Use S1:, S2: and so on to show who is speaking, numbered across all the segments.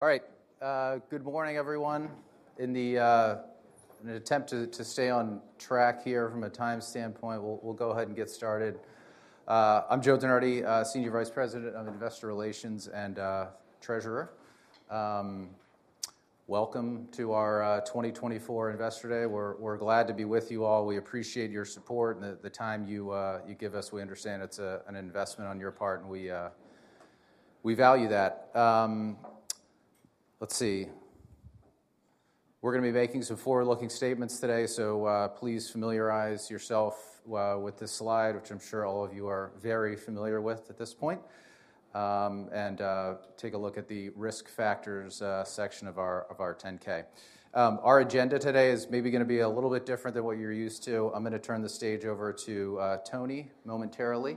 S1: All right, good morning, everyone. In an attempt to stay on track here from a time standpoint, we'll go ahead and get started. I'm Joe DeNardi, Senior Vice President of Investor Relations and Treasurer. Welcome to our 2024 Investor Day. We're glad to be with you all. We appreciate your support and the time you give us. We understand it's an investment on your part, and we value that. Let's see. We're going to be making some forward-looking statements today, so please familiarize yourself with this slide, which I'm sure all of you are very familiar with at this point, and take a look at the risk factors section of our 10-K. Our agenda today is maybe going to be a little bit different than what you're used to. I'm going to turn the stage over to Toni momentarily.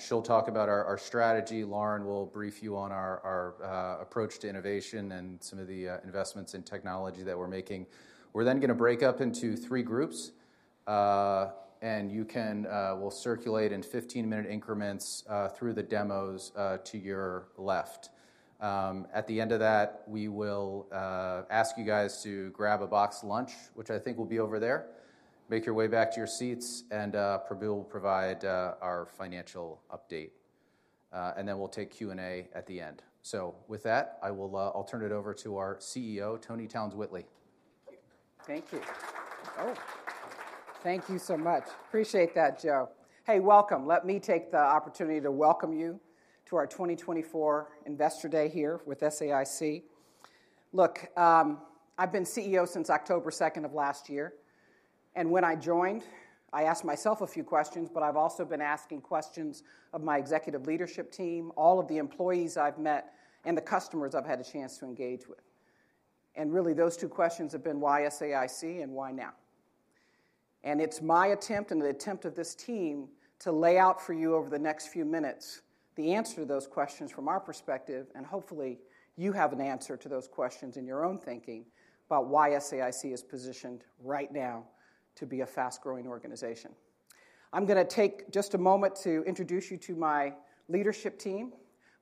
S1: She'll talk about our strategy. Lauren will brief you on our approach to innovation and some of the investments in technology that we're making. We're then going to break up into three groups, and we'll circulate in 15-minute increments through the demos to your left. At the end of that, we will ask you guys to grab a box lunch, which I think will be over there. Make your way back to your seats, and Prabu will provide our financial update. And then we'll take Q&A at the end. So with that, I'll turn it over to our CEO, Toni Townes-Whitley.
S2: Thank you. Thank you. Oh, thank you so much. Appreciate that, Joe. Hey, welcome. Let me take the opportunity to welcome you to our 2024 Investor Day here with SAIC. Look, I've been CEO since October 2nd of last year. When I joined, I asked myself a few questions, but I've also been asking questions of my executive leadership team, all of the employees I've met, and the customers I've had a chance to engage with. Really, those two questions have been why SAIC and why now. It's my attempt and the attempt of this team to lay out for you over the next few minutes the answer to those questions from our perspective, and hopefully you have an answer to those questions in your own thinking about why SAIC is positioned right now to be a fast-growing organization. I'm going to take just a moment to introduce you to my leadership team.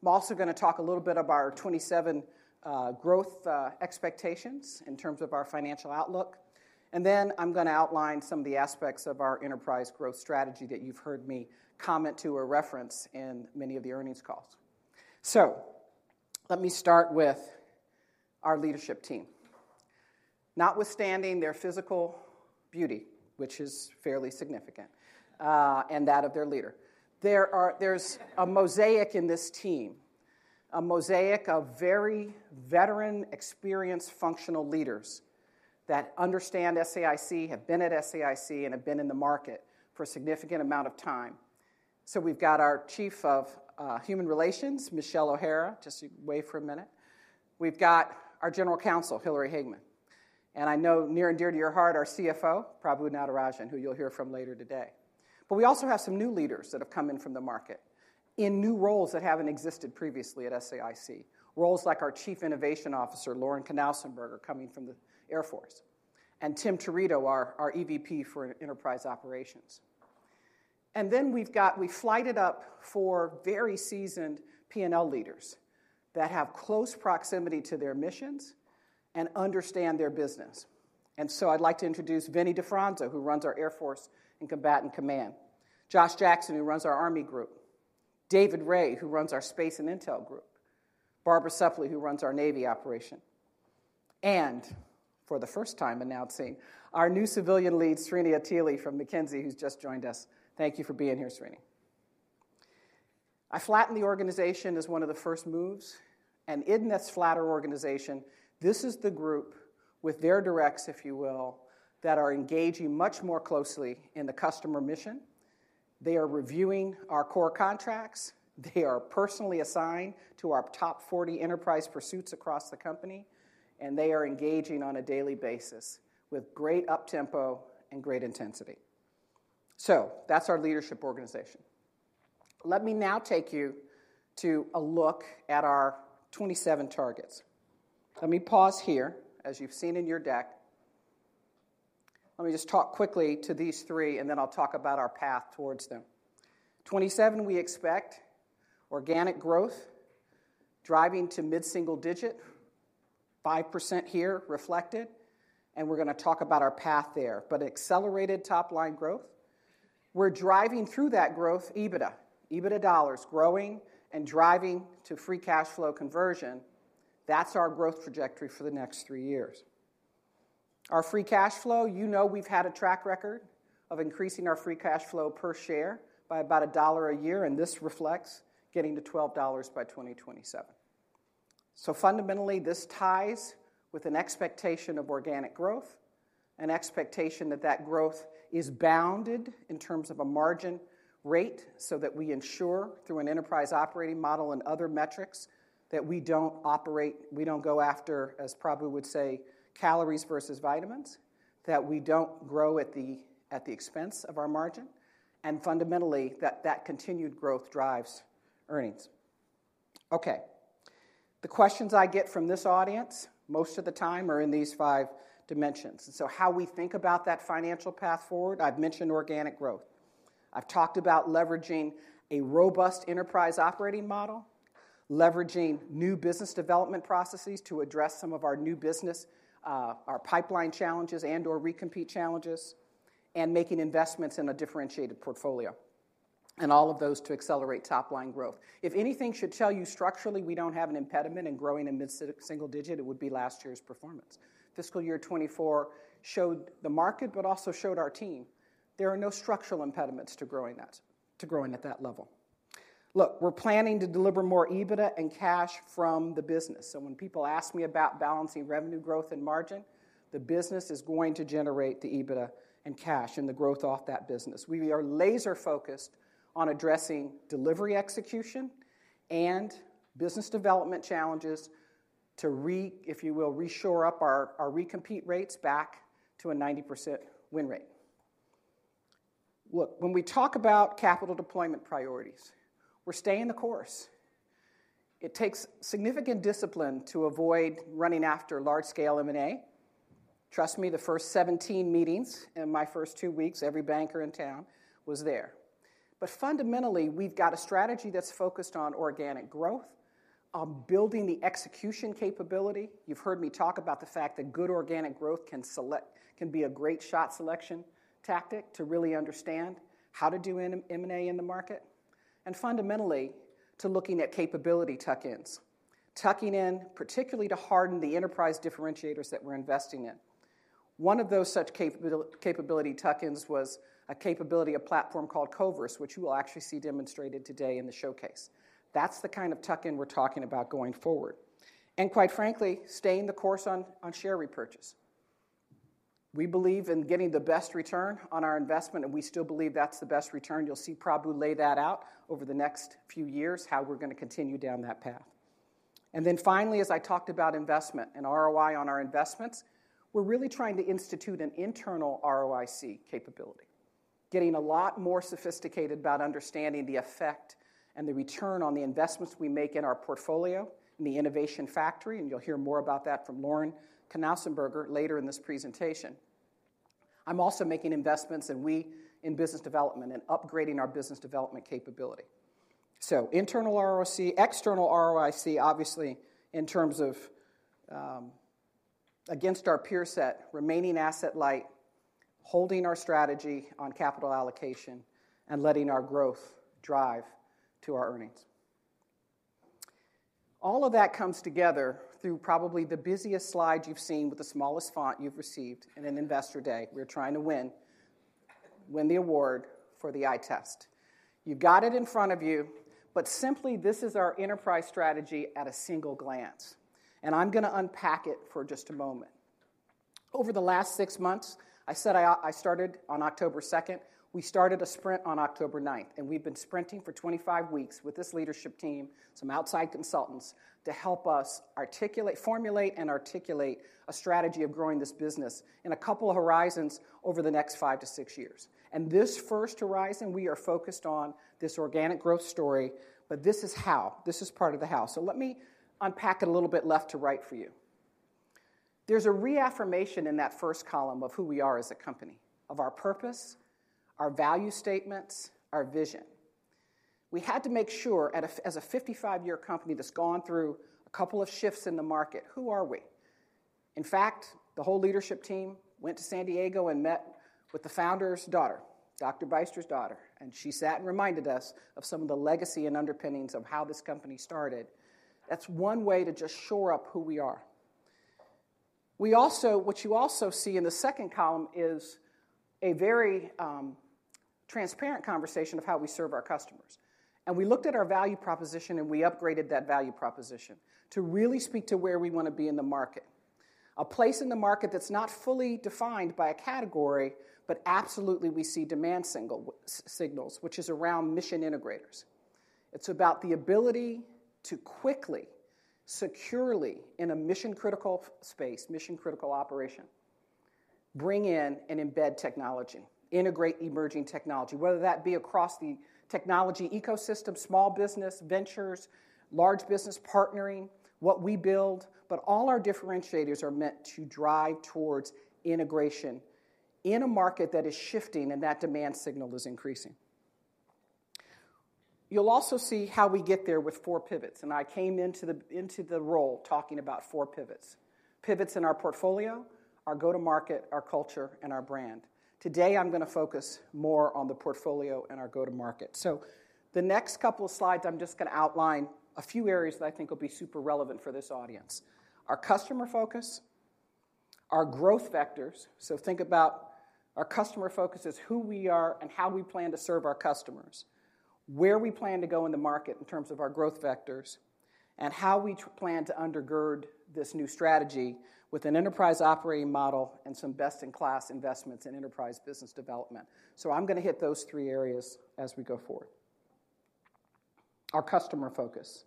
S2: I'm also going to talk a little bit about our 27 growth expectations in terms of our financial outlook. Then I'm going to outline some of the aspects of our enterprise growth strategy that you've heard me comment to or reference in many of the earnings calls. Let me start with our leadership team. Notwithstanding their physical beauty, which is fairly significant, and that of their leader, there's a mosaic in this team, a mosaic of very veteran, experienced, functional leaders that understand SAIC, have been at SAIC, and have been in the market for a significant amount of time. We've got our Chief of Human Relations, Michelle O'Hara, just away for a minute. We've got our General Counsel, Hilary Hageman. And I know near and dear to your heart, our CFO, Prabu Natarajan, who you'll hear from later today. But we also have some new leaders that have come in from the market in new roles that haven't existed previously at SAIC, roles like our Chief Innovation Officer, Lauren Knausenberger, coming from the Air Force, and Tim Turitto, our EVP for Enterprise Operations. And then we've got we've flighted up four very seasoned P&L leaders that have close proximity to their missions and understand their business. And so I'd like to introduce Vinnie DiFronzo, who runs our Air Force and Combatant Command, Josh Jackson, who runs our Army Group, David Ray, who runs our Space and Intel Group, Barbara Supplee, who runs our Navy operation, and for the first time, announcing our new civilian lead, Srini Attili from McKinsey, who's just joined us. Thank you for being here, Srini. I flatten the organization as one of the first moves. In this flatter organization, this is the group with their directs, if you will, that are engaging much more closely in the customer mission. They are reviewing our core contracts. They are personally assigned to our top 40 enterprise pursuits across the company, and they are engaging on a daily basis with great uptempo and great intensity. So that's our leadership organization. Let me now take you to a look at our 27 targets. Let me pause here, as you've seen in your deck. Let me just talk quickly to these three, and then I'll talk about our path towards them. 27, we expect organic growth driving to mid-single digit, 5% here reflected. We're going to talk about our path there, but accelerated top-line growth. We're driving through that growth, EBITDA, EBITDA dollars, growing and driving to free cash flow conversion. That's our growth trajectory for the next three years. Our free cash flow, you know we've had a track record of increasing our free cash flow per share by about $1 a year, and this reflects getting to $12 by 2027. So fundamentally, this ties with an expectation of organic growth, an expectation that that growth is bounded in terms of a margin rate so that we ensure through an enterprise operating model and other metrics that we don't operate we don't go after, as Prabu would say, calories versus vitamins, that we don't grow at the expense of our margin, and fundamentally that that continued growth drives earnings. Okay. The questions I get from this audience most of the time are in these five dimensions. So how we think about that financial path forward, I've mentioned organic growth. I've talked about leveraging a robust enterprise operating model, leveraging new business development processes to address some of our new business, our pipeline challenges and/or recompete challenges, and making investments in a differentiated portfolio, and all of those to accelerate top-line growth. If anything should tell you structurally we don't have an impediment in growing a mid-single digit, it would be last year's performance. Fiscal year 2024 showed the market, but also showed our team there are no structural impediments to growing that to growing at that level. Look, we're planning to deliver more EBITDA and cash from the business. So when people ask me about balancing revenue growth and margin, the business is going to generate the EBITDA and cash and the growth off that business. We are laser-focused on addressing delivery execution and business development challenges to, if you will, reshore up our recompete rates back to a 90% win rate. Look, when we talk about capital deployment priorities, we're staying the course. It takes significant discipline to avoid running after large-scale M&A. Trust me, the first 17 meetings in my first two weeks, every banker in town was there. But fundamentally, we've got a strategy that's focused on organic growth, on building the execution capability. You've heard me talk about the fact that good organic growth can be a great shot selection tactic to really understand how to do M&A in the market, and fundamentally to looking at capability tuck-ins, tucking in particularly to harden the enterprise differentiators that we're investing in. One of those such capability tuck-ins was a capability of platform called Koverse, which you will actually see demonstrated today in the showcase. That's the kind of tuck-in we're talking about going forward. And quite frankly, staying the course on share repurchase. We believe in getting the best return on our investment, and we still believe that's the best return. You'll see Prabu lay that out over the next few years, how we're going to continue down that path. And then finally, as I talked about investment and ROI on our investments, we're really trying to institute an internal ROIC capability, getting a lot more sophisticated about understanding the effect and the return on the investments we make in our portfolio in the innovation factory, and you'll hear more about that from Lauren Knausenberger later in this presentation. I'm also making investments in business development and upgrading our business development capability. So internal ROIC, external ROIC, obviously in terms of against our peer set, remaining asset light, holding our strategy on capital allocation, and letting our growth drive to our earnings. All of that comes together through probably the busiest slide you've seen with the smallest font you've received in an investor day. We're trying to win, win the award for the eye test. You've got it in front of you, but simply this is our enterprise strategy at a single glance. And I'm going to unpack it for just a moment. Over the last six months, I said I started on October 2nd. We started a sprint on October 9th, and we've been sprinting for 25 weeks with this leadership team, some outside consultants to help us formulate and articulate a strategy of growing this business in a couple of horizons over the next five to six years. This first horizon, we are focused on this organic growth story, but this is how. This is part of the how. So let me unpack it a little bit left to right for you. There's a reaffirmation in that first column of who we are as a company, of our purpose, our value statements, our vision. We had to make sure as a 55-year company that's gone through a couple of shifts in the market, who are we? In fact, the whole leadership team went to San Diego and met with the founder's daughter, Dr. Beyster's daughter, and she sat and reminded us of some of the legacy and underpinnings of how this company started. That's one way to just shore up who we are. What you also see in the second column is a very transparent conversation of how we serve our customers. And we looked at our value proposition, and we upgraded that value proposition to really speak to where we want to be in the market, a place in the market that's not fully defined by a category, but absolutely we see demand signals, which is around Mission Integrator. It's about the ability to quickly, securely, in a mission-critical space, mission-critical operation, bring in and embed technology, integrate emerging technology, whether that be across the technology ecosystem, small business, ventures, large business partnering, what we build, but all our differentiators are meant to drive towards integration in a market that is shifting and that demand signal is increasing. You'll also see how we get there with four pivots. I came into the role talking about four pivots, pivots in our portfolio, our go-to-market, our culture, and our brand. Today, I'm going to focus more on the portfolio and our go-to-market. The next couple of slides, I'm just going to outline a few areas that I think will be super relevant for this audience: our customer focus, our growth vectors. So think about our customer focus as who we are and how we plan to serve our customers, where we plan to go in the market in terms of our growth vectors, and how we plan to undergird this new strategy with an enterprise operating model and some best-in-class investments in enterprise business development. So I'm going to hit those three areas as we go forward. Our customer focus.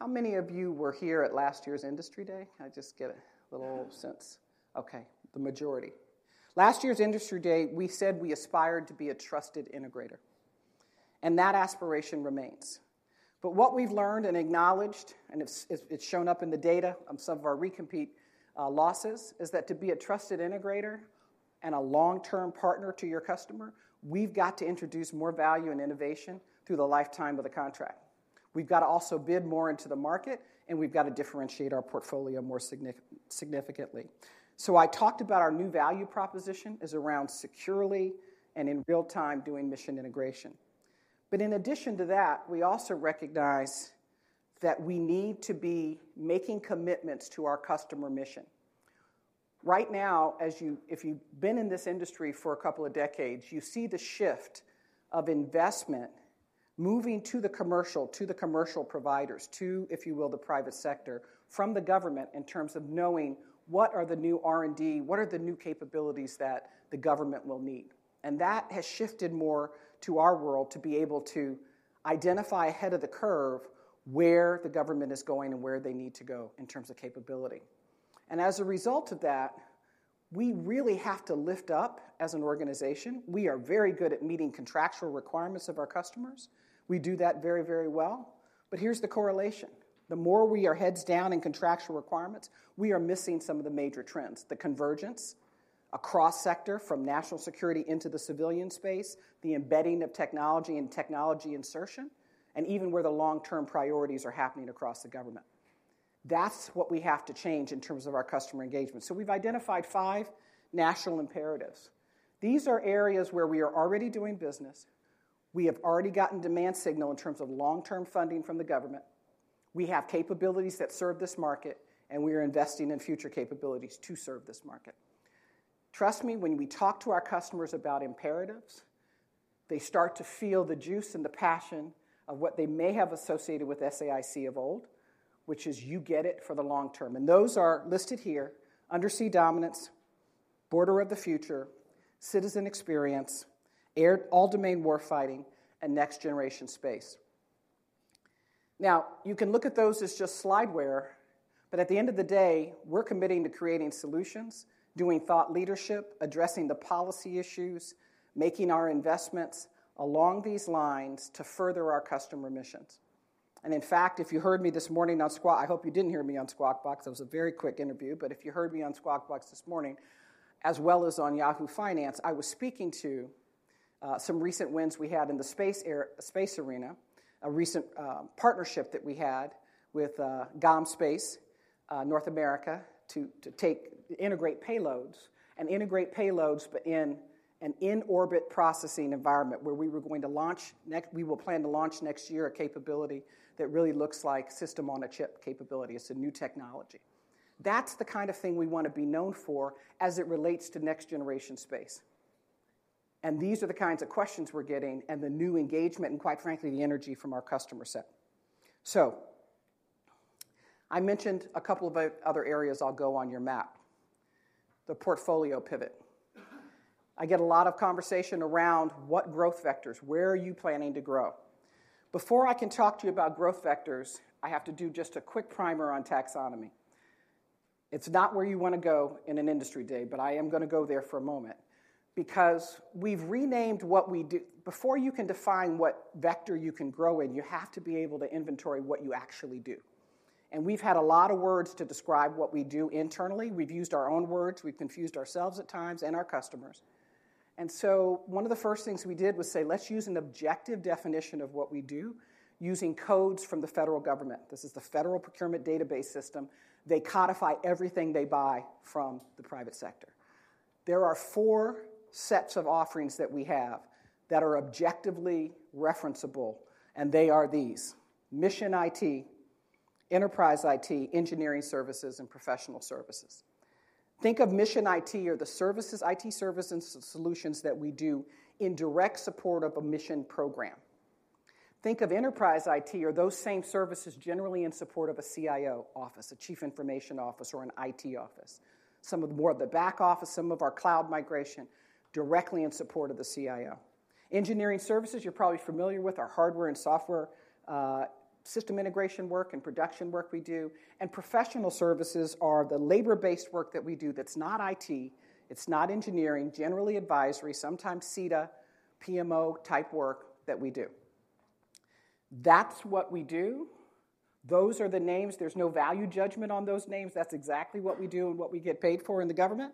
S2: How many of you were here at last year's Investor Day? Can I just get a little sense? Okay, the majority. Last year's Investor Day, we said we aspired to be a trusted integrator, and that aspiration remains. But what we've learned and acknowledged, and it's shown up in the data of some of our recompete losses, is that to be a trusted integrator and a long-term partner to your customer, we've got to introduce more value and innovation through the lifetime of the contract. We've got to also bid more into the market, and we've got to differentiate our portfolio more significantly. So I talked about our new value proposition as around securely and in real-time doing mission integration. But in addition to that, we also recognize that we need to be making commitments to our customer mission. Right now, if you've been in this industry for a couple of decades, you see the shift of investment moving to the commercial, to the commercial providers, to, if you will, the private sector from the government in terms of knowing what are the new R&D, what are the new capabilities that the government will need. And that has shifted more to our world to be able to identify ahead of the curve where the government is going and where they need to go in terms of capability. And as a result of that, we really have to lift up as an organization. We are very good at meeting contractual requirements of our customers. We do that very, very well. But here's the correlation. The more we are heads down in contractual requirements, we are missing some of the major trends, the convergence across sector from national security into the civilian space, the embedding of technology and technology insertion, and even where the long-term priorities are happening across the government. That's what we have to change in terms of our customer engagement. So we've identified five national imperatives. These are areas where we are already doing business. We have already gotten demand signal in terms of long-term funding from the government. We have capabilities that serve this market, and we are investing in future capabilities to serve this market. Trust me, when we talk to our customers about imperatives, they start to feel the juice and the passion of what they may have associated with SAIC of old, which is you get it for the long term. And those are listed here: undersea dominance, border of the future, citizen experience, air all-domain warfighting, and next-generation space. Now, you can look at those as just slideware, but at the end of the day, we're committing to creating solutions, doing thought leadership, addressing the policy issues, making our investments along these lines to further our customer missions. And in fact, if you heard me this morning on Squawk, I hope you didn't hear me on Squawk Box. That was a very quick interview, but if you heard me on Squawk Box this morning, as well as on Yahoo Finance, I was speaking to some recent wins we had in the space arena, a recent partnership that we had with GomSpace North America, to integrate payloads and integrate payloads, but in an in-orbit processing environment where we were going to launch we will plan to launch next year a capability that really looks like System-on-a-Chip capability. It's a new technology. That's the kind of thing we want to be known for as it relates to next-generation space. These are the kinds of questions we're getting and the new engagement and quite frankly, the energy from our customer set. I mentioned a couple of other areas I'll go on your map, the portfolio pivot. I get a lot of conversation around what growth vectors, where are you planning to grow? Before I can talk to you about growth vectors, I have to do just a quick primer on taxonomy. It's not where you want to go in an Industry Day, but I am going to go there for a moment because we've renamed what we do. Before you can define what vector you can grow in, you have to be able to inventory what you actually do. We've had a lot of words to describe what we do internally. We've used our own words. We've confused ourselves at times and our customers. So one of the first things we did was say, "Let's use an objective definition of what we do using codes from the federal government." This is the Federal Procurement Data System. They codify everything they buy from the private sector. There are four sets of offerings that we have that are objectively referenceable, and they are these: mission IT, enterprise IT, engineering services, and professional services. Think of mission IT or the services, IT services, and solutions that we do in direct support of a mission program. Think of enterprise IT or those same services generally in support of a CIO office, a chief information office, or an IT office, some of the more of the back office, some of our cloud migration directly in support of the CIO. Engineering services, you're probably familiar with, are hardware and software, system integration work and production work we do. And professional services are the labor-based work that we do that's not IT. It's not engineering, generally advisory, sometimes SETA, PMO type work that we do. That's what we do. Those are the names. There's no value judgment on those names. That's exactly what we do and what we get paid for in the government.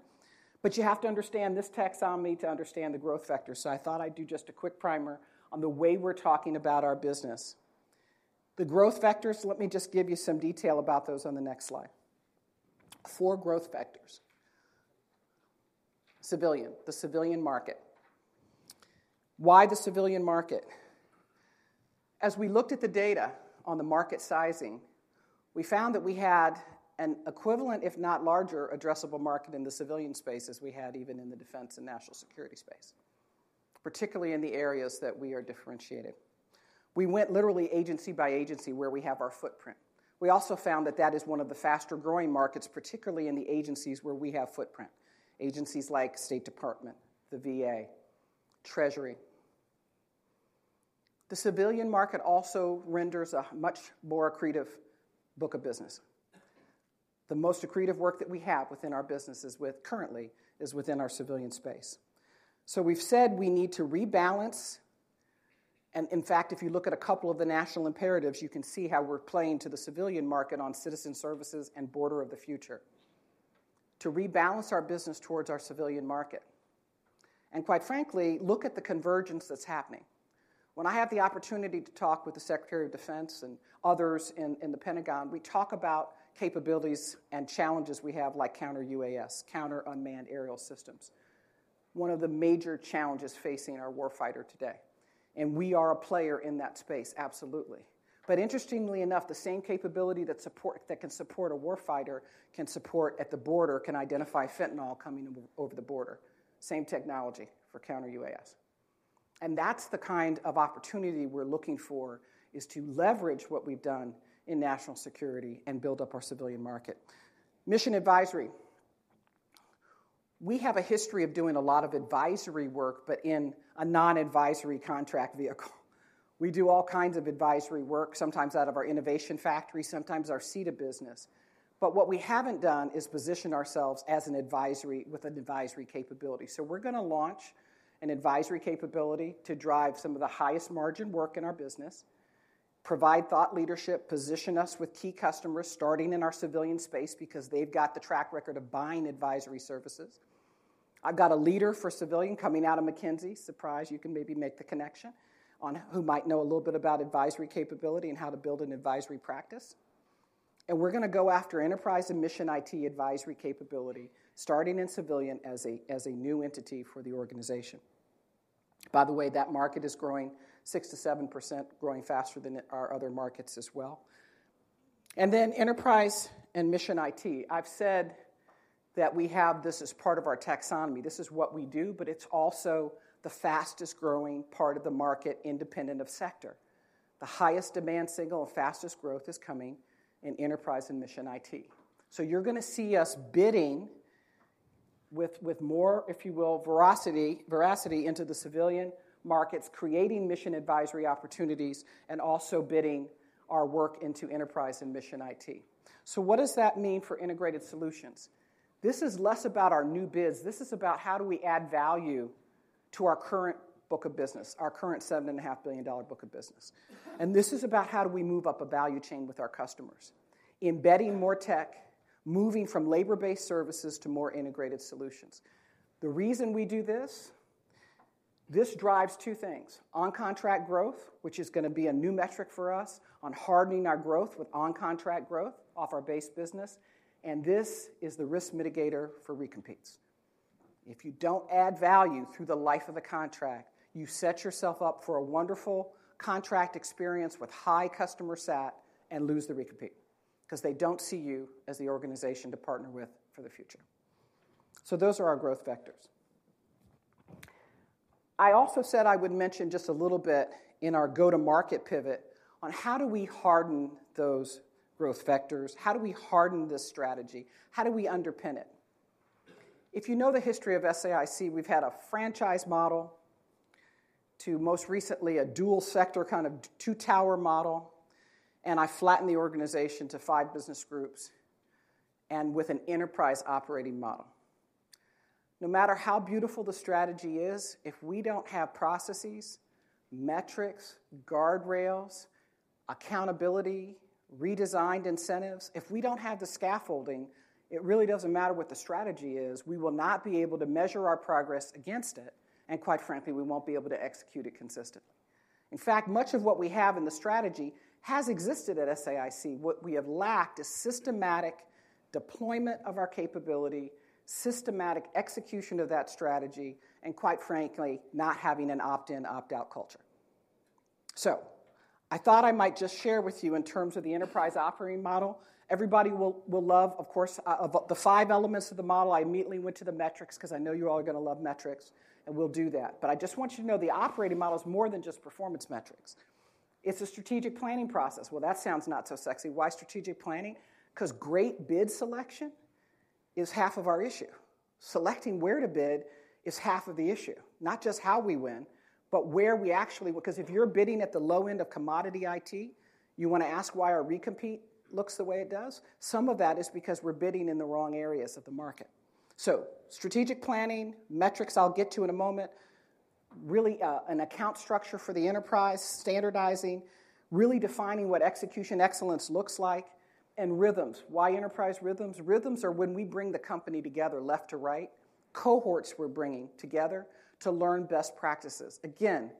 S2: But you have to understand this taxonomy to understand the growth vectors. So I thought I'd do just a quick primer on the way we're talking about our business. The growth vectors, let me just give you some detail about those on the next slide. Four growth vectors. Civilian, the civilian market. Why the civilian market? As we looked at the data on the market sizing, we found that we had an equivalent, if not larger, addressable market in the civilian space as we had even in the defense and national security space, particularly in the areas that we are differentiated. We went literally agency by agency where we have our footprint. We also found that that is one of the faster-growing markets, particularly in the agencies where we have footprint, agencies like State Department, the VA, Treasury. The civilian market also renders a much more accretive book of business. The most accretive work that we have within our businesses currently is within our civilian space. So we've said we need to rebalance. And in fact, if you look at a couple of the national imperatives, you can see how we're playing to the civilian market on citizen services and border of the future to rebalance our business towards our civilian market. And quite frankly, look at the convergence that's happening. When I have the opportunity to talk with the Secretary of Defense and others in the Pentagon, we talk about capabilities and challenges we have like counter-UAS, counter-unmanned aerial systems, one of the major challenges facing our warfighter today. And we are a player in that space, absolutely. But interestingly enough, the same capability that can support a warfighter can support at the border, can identify fentanyl coming over the border, same technology for counter-UAS. And that's the kind of opportunity we're looking for is to leverage what we've done in national security and build up our civilian market. Mission advisory. We have a history of doing a lot of advisory work, but in a non-advisory contract vehicle. We do all kinds of advisory work, sometimes out of our innovation factory, sometimes our SETA business. But what we haven't done is position ourselves as an advisory with an advisory capability. We're going to launch an advisory capability to drive some of the highest margin work in our business, provide thought leadership, position us with key customers starting in our civilian space because they've got the track record of buying advisory services. I've got a leader for civilian coming out of McKinsey, surprise, you can maybe make the connection, who might know a little bit about advisory capability and how to build an advisory practice. We're going to go after enterprise and mission IT advisory capability starting in civilian as a new entity for the organization. By the way, that market is growing 6%-7%, growing faster than our other markets as well. Then enterprise and mission IT. I've said that we have this as part of our taxonomy. This is what we do, but it's also the fastest-growing part of the market independent of sector. The highest demand signal and fastest growth is coming in enterprise and mission IT. So you're going to see us bidding with more, if you will, veracity into the civilian markets, creating mission advisory opportunities, and also bidding our work into enterprise and mission IT. So what does that mean for integrated solutions? This is less about our new bids. This is about how do we add value to our current book of business, our current $7.5 billion book of business. And this is about how do we move up a value chain with our customers, embedding more tech, moving from labor-based services to more integrated solutions. The reason we do this, this drives two things: on-contract growth, which is going to be a new metric for us on hardening our growth with on-contract growth off our base business. And this is the risk mitigator for recompetes. If you don't add value through the life of the contract, you set yourself up for a wonderful contract experience with high customer sat and lose the recompete because they don't see you as the organization to partner with for the future. So those are our growth vectors. I also said I would mention just a little bit in our go-to-market pivot on how do we harden those growth vectors? How do we harden this strategy? How do we underpin it? If you know the history of SAIC, we've had a franchise model to most recently a dual-sector kind of two-tower model. I flattened the organization to five business groups and with an enterprise operating model. No matter how beautiful the strategy is, if we don't have processes, metrics, guardrails, accountability, redesigned incentives, if we don't have the scaffolding, it really doesn't matter what the strategy is. We will not be able to measure our progress against it. And quite frankly, we won't be able to execute it consistently. In fact, much of what we have in the strategy has existed at SAIC. What we have lacked is systematic deployment of our capability, systematic execution of that strategy, and quite frankly, not having an opt-in, opt-out culture. So I thought I might just share with you in terms of the enterprise operating model. Everybody will love, of course, the five elements of the model. I immediately went to the metrics because I know you're all going to love metrics, and we'll do that. But I just want you to know the operating model is more than just performance metrics. It's a strategic planning process. Well, that sounds not so sexy. Why strategic planning? Because great bid selection is half of our issue. Selecting where to bid is half of the issue, not just how we win, but where we actually because if you're bidding at the low end of commodity IT, you want to ask why our recompete looks the way it does. Some of that is because we're bidding in the wrong areas of the market. So strategic planning, metrics I'll get to in a moment, really an account structure for the enterprise, standardizing, really defining what execution excellence looks like, and rhythms. Why enterprise rhythms? Rhythms are when we bring the company together left to right, cohorts we're bringing together to learn best practices. Again,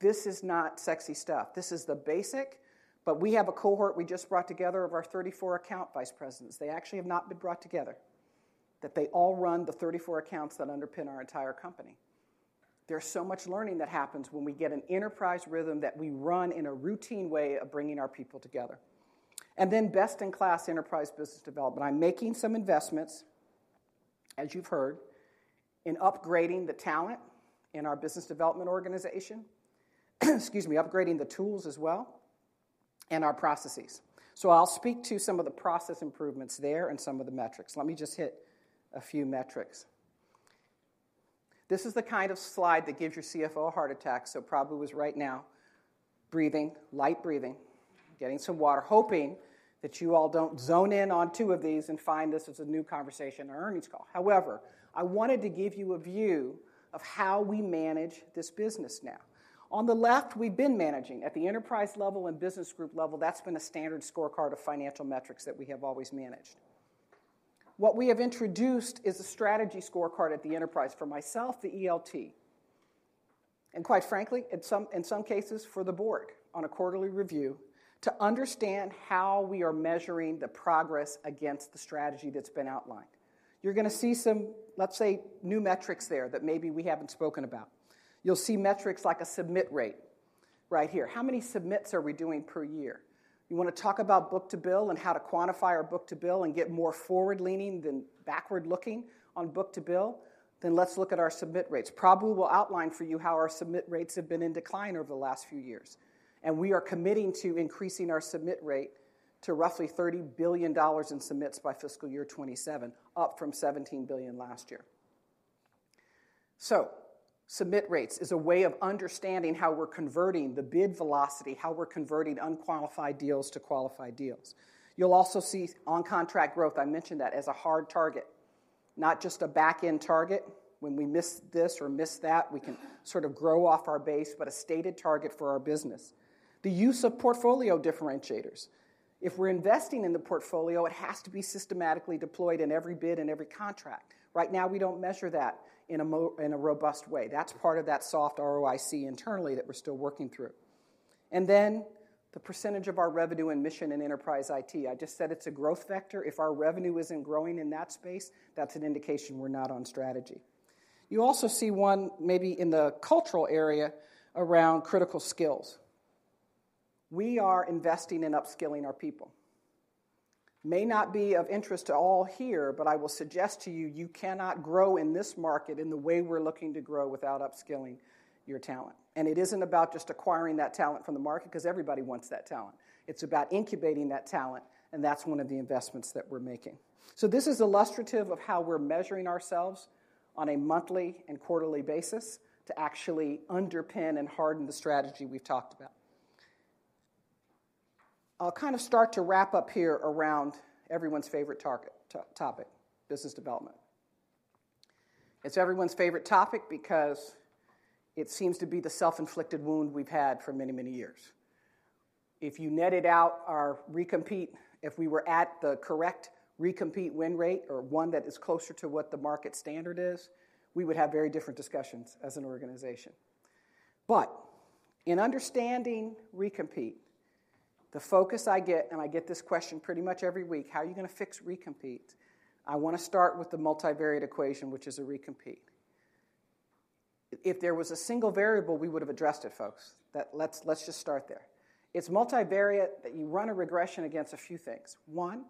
S2: this is not sexy stuff. This is the basic. But we have a cohort we just brought together of our 34 account vice presidents. They actually have not been brought together, that they all run the 34 accounts that underpin our entire company. There's so much learning that happens when we get an enterprise rhythm that we run in a routine way of bringing our people together. And then best-in-class enterprise business development. I'm making some investments, as you've heard, in upgrading the talent in our business development organization, excuse me, upgrading the tools as well and our processes. So I'll speak to some of the process improvements there and some of the metrics. Let me just hit a few metrics. This is the kind of slide that gives your CFO a heart attack, so probably was right now breathing, light breathing, getting some water, hoping that you all don't zone in on two of these and find this as a new conversation or earnings call. However, I wanted to give you a view of how we manage this business now. On the left, we've been managing at the enterprise level and business group level. That's been a standard scorecard of financial metrics that we have always managed. What we have introduced is a strategy scorecard at the enterprise for myself, the ELT, and quite frankly, in some cases, for the board on a quarterly review to understand how we are measuring the progress against the strategy that's been outlined. You're going to see some, let's say, new metrics there that maybe we haven't spoken about. You'll see metrics like a submit rate right here. How many submits are we doing per year? You want to talk about book to bill and how to quantify our book to bill and get more forward-leaning than backward-looking on book to bill? Then let's look at our submit rates. Prabu will outline for you how our submit rates have been in decline over the last few years. We are committing to increasing our submit rate to roughly $30 billion in submits by fiscal year 2027, up from $17 billion last year. Submit rates is a way of understanding how we're converting the bid velocity, how we're converting unqualified deals to qualified deals. You'll also see on-contract growth. I mentioned that as a hard target, not just a back-end target. When we miss this or miss that, we can sort of grow off our base, but a stated target for our business. The use of portfolio differentiators. If we're investing in the portfolio, it has to be systematically deployed in every bid and every contract. Right now, we don't measure that in a robust way. That's part of that soft ROIC internally that we're still working through. Then the percentage of our revenue in mission and enterprise IT. I just said it's a growth vector. If our revenue isn't growing in that space, that's an indication we're not on strategy. You also see one maybe in the cultural area around critical skills. We are investing in upskilling our people. May not be of interest to all here, but I will suggest to you, you cannot grow in this market in the way we're looking to grow without upskilling your talent. And it isn't about just acquiring that talent from the market because everybody wants that talent. It's about incubating that talent, and that's one of the investments that we're making. So this is illustrative of how we're measuring ourselves on a monthly and quarterly basis to actually underpin and harden the strategy we've talked about. I'll kind of start to wrap up here around everyone's favorite topic, business development. It's everyone's favorite topic because it seems to be the self-inflicted wound we've had for many, many years. If you netted out our recompete, if we were at the correct recompete win rate or one that is closer to what the market standard is, we would have very different discussions as an organization. But in understanding recompete, the focus I get and I get this question pretty much every week, how are you going to fix recompete? I want to start with the multivariate equation, which is a recompete. If there was a single variable, we would have addressed it, folks. Let's just start there. It's multivariate that you run a regression against a few things. One,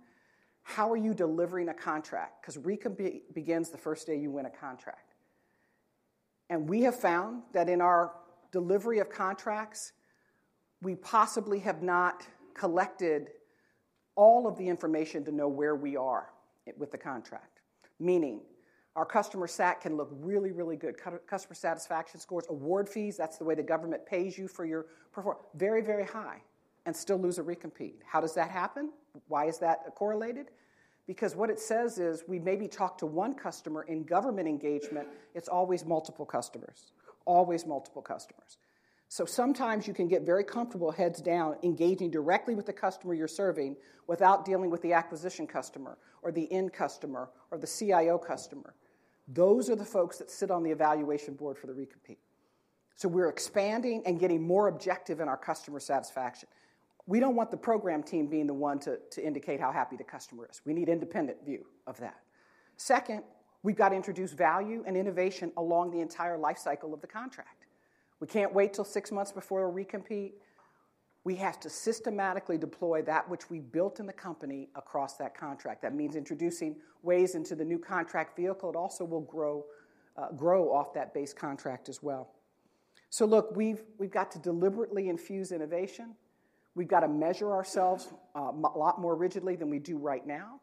S2: how are you delivering a contract? Because recompete begins the first day you win a contract. We have found that in our delivery of contracts, we possibly have not collected all of the information to know where we are with the contract, meaning our customer sat can look really, really good, customer satisfaction scores, award fees, that's the way the government pays you for your very, very high, and still lose a recompete. How does that happen? Why is that correlated? Because what it says is we maybe talk to one customer in government engagement. It's always multiple customers, always multiple customers. So sometimes you can get very comfortable, heads down, engaging directly with the customer you're serving without dealing with the acquisition customer or the end customer or the CIO customer. Those are the folks that sit on the evaluation board for the recompete. So we're expanding and getting more objective in our customer satisfaction. We don't want the program team being the one to indicate how happy the customer is. We need an independent view of that. Second, we've got to introduce value and innovation along the entire life cycle of the contract. We can't wait till six months before a recompete. We have to systematically deploy that which we built in the company across that contract. That means introducing ways into the new contract vehicle. It also will grow off that base contract as well. So look, we've got to deliberately infuse innovation. We've got to measure ourselves a lot more rigidly than we do right now.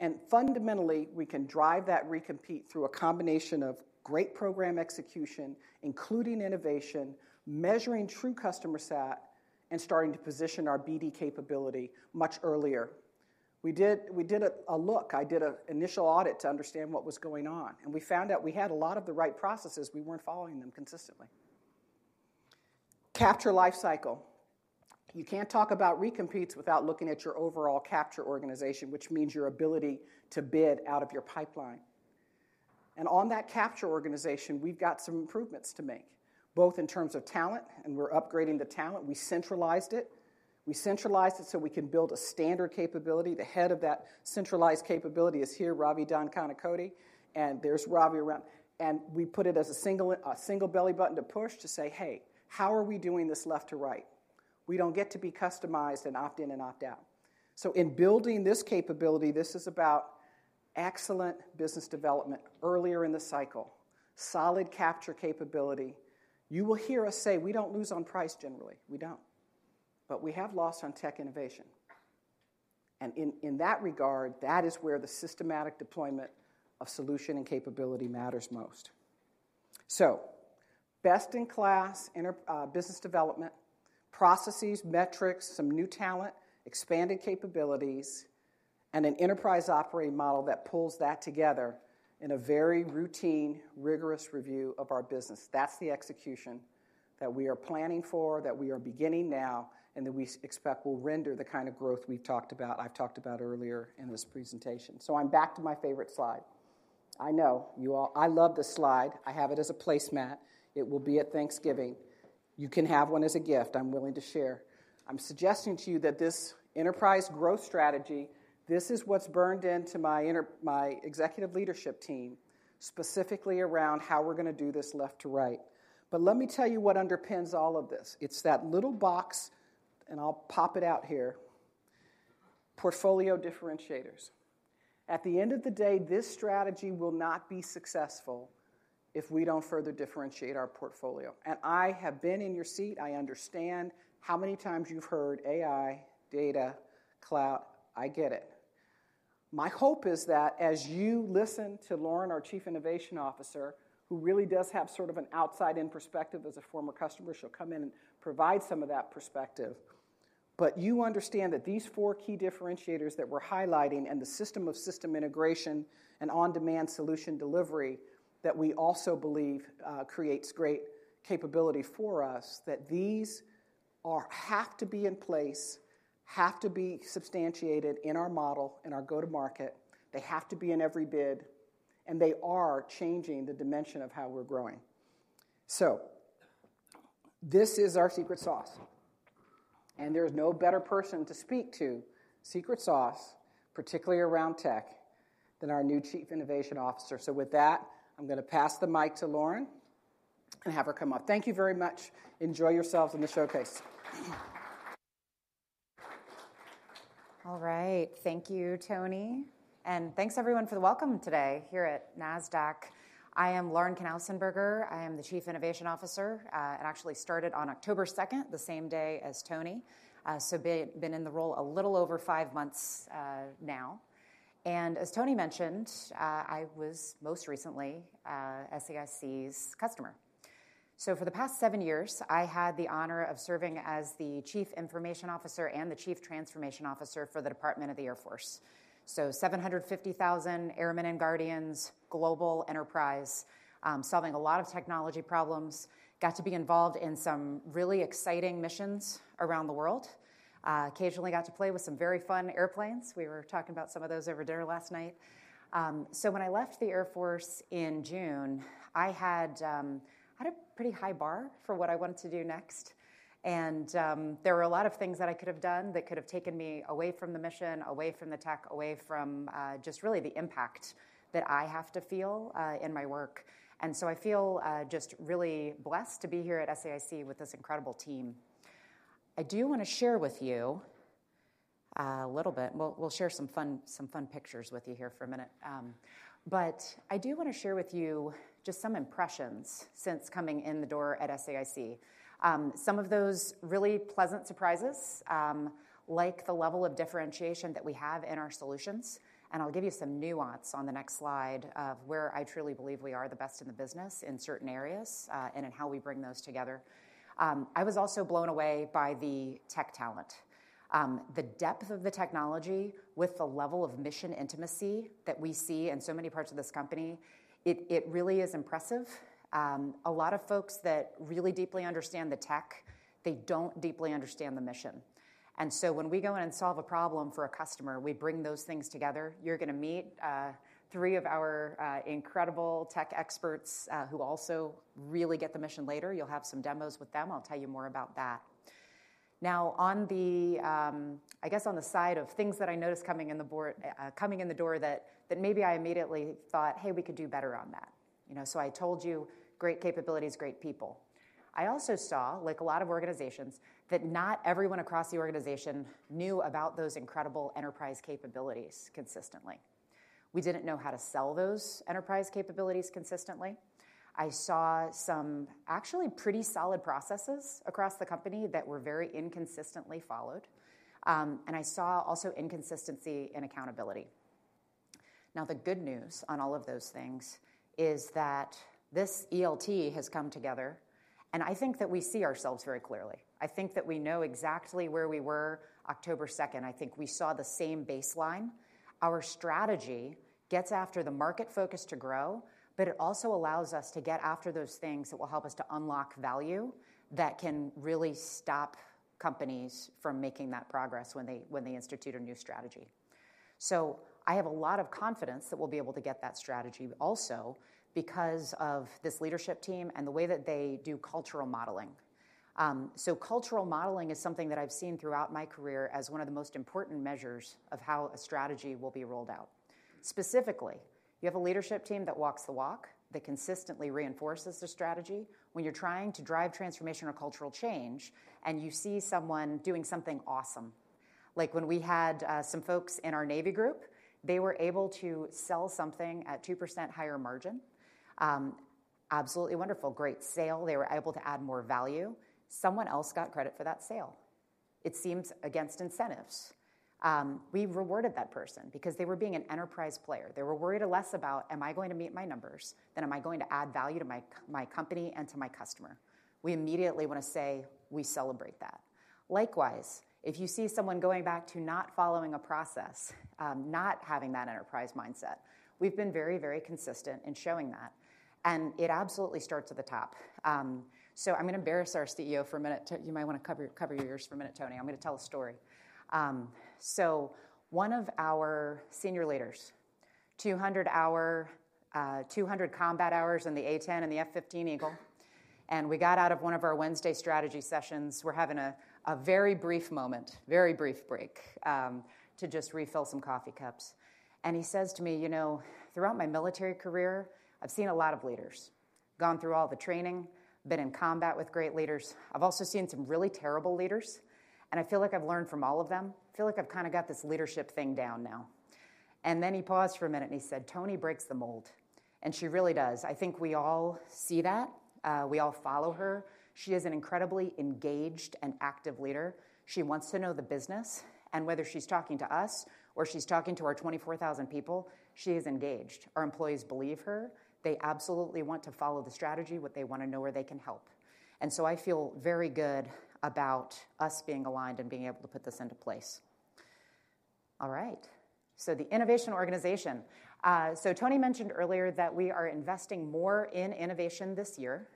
S2: And fundamentally, we can drive that recompete through a combination of great program execution, including innovation, measuring true customer sat, and starting to position our BD capability much earlier. We did a look. I did an initial audit to understand what was going on. And we found out we had a lot of the right processes. We weren't following them consistently. Capture life cycle. You can't talk about recompetes without looking at your overall capture organization, which means your ability to bid out of your pipeline. And on that capture organization, we've got some improvements to make, both in terms of talent, and we're upgrading the talent. We centralized it. We centralized it so we can build a standard capability. The head of that centralized capability is here, Ravi Dankanikote. And there's Ravi around. And we put it as a single belly button to push to say, "Hey, how are we doing this left to right?" We don't get to be customized and opt-in and opt-out. So in building this capability, this is about excellent business development earlier in the cycle, solid capture capability. You will hear us say, "We don't lose on price generally. We don't. But we have lost on tech innovation." In that regard, that is where the systematic deployment of solution and capability matters most. Best-in-class business development, processes, metrics, some new talent, expanded capabilities, and an enterprise operating model that pulls that together in a very routine, rigorous review of our business. That's the execution that we are planning for, that we are beginning now, and that we expect will render the kind of growth we've talked about I've talked about earlier in this presentation. I'm back to my favorite slide. I know. I love this slide. I have it as a placemat. It will be at Thanksgiving. You can have one as a gift. I'm willing to share. I'm suggesting to you that this enterprise growth strategy, this is what's burned into my executive leadership team, specifically around how we're going to do this left to right. But let me tell you what underpins all of this. It's that little box, and I'll pop it out here, portfolio differentiators. At the end of the day, this strategy will not be successful if we don't further differentiate our portfolio. And I have been in your seat. I understand how many times you've heard AI, data, cloud. I get it. My hope is that as you listen to Lauren, our Chief Innovation Officer, who really does have sort of an outside-in perspective as a former customer, she'll come in and provide some of that perspective. But you understand that these four key differentiators that we're highlighting and the system of system integration and on-demand solution delivery that we also believe creates great capability for us, that these have to be in place, have to be substantiated in our model, in our go-to-market. They have to be in every bid, and they are changing the dimension of how we're growing. So this is our secret sauce. And there's no better person to speak to secret sauce, particularly around tech, than our new Chief Innovation Officer. So with that, I'm going to pass the mic to Lauren and have her come up. Thank you very much. Enjoy yourselves in the showcase.
S3: All right. Thank you, Toni. And thanks, everyone, for the welcome today here at NASDAQ. I am Lauren Knausenberger. I am the chief innovation officer. It actually started on October 2nd, the same day as Toni. I've been in the role a little over five months now. And as Toni mentioned, I was most recently SAIC's customer. For the past seven years, I had the honor of serving as the chief information officer and the chief transformation officer for the Department of the Air Force. 750,000 airmen and guardians, global, enterprise, solving a lot of technology problems, got to be involved in some really exciting missions around the world, occasionally got to play with some very fun airplanes. We were talking about some of those over dinner last night. So when I left the Air Force in June, I had a pretty high bar for what I wanted to do next. And there were a lot of things that I could have done that could have taken me away from the mission, away from the tech, away from just really the impact that I have to feel in my work. And so I feel just really blessed to be here at SAIC with this incredible team. I do want to share with you a little bit. We'll share some fun pictures with you here for a minute. But I do want to share with you just some impressions since coming in the door at SAIC. Some of those really pleasant surprises, like the level of differentiation that we have in our solutions. And I'll give you some nuance on the next slide of where I truly believe we are the best in the business in certain areas and in how we bring those together. I was also blown away by the tech talent, the depth of the technology with the level of mission intimacy that we see in so many parts of this company. It really is impressive. A lot of folks that really deeply understand the tech, they don't deeply understand the mission. And so when we go in and solve a problem for a customer, we bring those things together. You're going to meet three of our incredible tech experts who also really get the mission later. You'll have some demos with them. I'll tell you more about that. Now, I guess on the side of things that I noticed coming in the door that maybe I immediately thought, "Hey, we could do better on that." So I told you, great capabilities, great people. I also saw, like a lot of organizations, that not everyone across the organization knew about those incredible enterprise capabilities consistently. We didn't know how to sell those enterprise capabilities consistently. I saw some actually pretty solid processes across the company that were very inconsistently followed. And I saw also inconsistency in accountability. Now, the good news on all of those things is that this ELT has come together. And I think that we see ourselves very clearly. I think that we know exactly where we were October 2nd. I think we saw the same baseline. Our strategy gets after the market focus to grow, but it also allows us to get after those things that will help us to unlock value that can really stop companies from making that progress when they institute a new strategy. I have a lot of confidence that we'll be able to get that strategy also because of this leadership team and the way that they do cultural modeling. Cultural modeling is something that I've seen throughout my career as one of the most important measures of how a strategy will be rolled out. Specifically, you have a leadership team that walks the walk, that consistently reinforces their strategy. When you're trying to drive transformation or cultural change, and you see someone doing something awesome, like when we had some folks in our Navy group, they were able to sell something at 2% higher margin, absolutely wonderful, great sale. They were able to add more value. Someone else got credit for that sale. It seems against incentives. We rewarded that person because they were being an enterprise player. They were worried less about, "Am I going to meet my numbers? Then am I going to add value to my company and to my customer?" We immediately want to say, "We celebrate that." Likewise, if you see someone going back to not following a process, not having that enterprise mindset, we've been very, very consistent in showing that. And it absolutely starts at the top. So I'm going to embarrass our CEO for a minute. You might want to cover yours for a minute, Toni. I'm going to tell a story. So one of our senior leaders, 200-hour combat hours in the A-10 and the F-15 Eagle. And we got out of one of our Wednesday strategy sessions. We're having a very brief moment, very brief break to just refill some coffee cups. And he says to me, "Throughout my military career, I've seen a lot of leaders, gone through all the training, been in combat with great leaders. I've also seen some really terrible leaders. And I feel like I've learned from all of them. I feel like I've kind of got this leadership thing down now." And then he paused for a minute, and he said, "Toni breaks the mold." And she really does. I think we all see that. We all follow her. She is an incredibly engaged and active leader. She wants to know the business. And whether she's talking to us or she's talking to our 24,000 people, she is engaged. Our employees believe her. They absolutely want to follow the strategy, but they want to know where they can help. And so I feel very good about us being aligned and being able to put this into place. All right. So the innovation organization. So Toni mentioned earlier that we are investing more in innovation this year.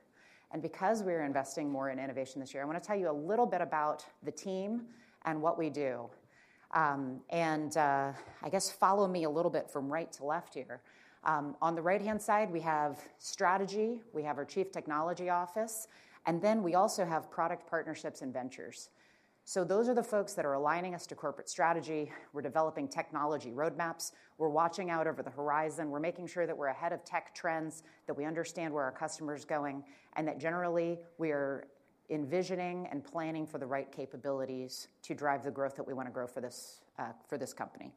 S3: And because we are investing more in innovation this year, I want to tell you a little bit about the team and what we do. And I guess follow me a little bit from right to left here. On the right-hand side, we have strategy. We have our chief technology office. And then we also have product partnerships and ventures. So those are the folks that are aligning us to corporate strategy. We're developing technology roadmaps. We're watching out over the horizon. We're making sure that we're ahead of tech trends, that we understand where our customer's going, and that generally, we are envisioning and planning for the right capabilities to drive the growth that we want to grow for this company.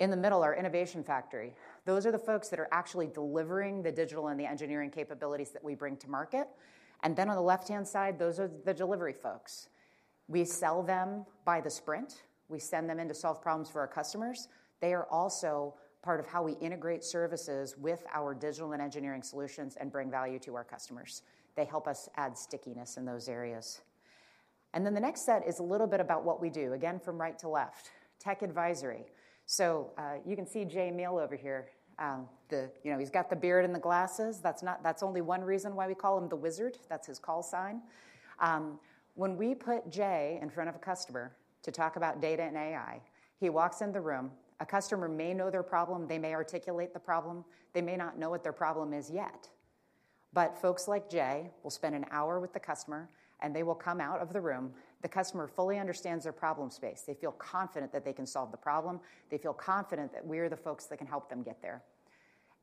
S3: In the middle, our innovation factory. Those are the folks that are actually delivering the digital and the engineering capabilities that we bring to market. And then on the left-hand side, those are the delivery folks. We sell them by the sprint. We send them in to solve problems for our customers. They are also part of how we integrate services with our digital and engineering solutions and bring value to our customers. They help us add stickiness in those areas. And then the next set is a little bit about what we do, again, from right to left, tech advisory. So you can see Jay Meil over here. He's got the beard and the glasses. That's only one reason why we call him the wizard. That's his call sign. When we put Jay in front of a customer to talk about data and AI, he walks in the room. A customer may know their problem. They may articulate the problem. They may not know what their problem is yet. But folks like Jay will spend an hour with the customer, and they will come out of the room. The customer fully understands their problem space. They feel confident that they can solve the problem. They feel confident that we are the folks that can help them get there.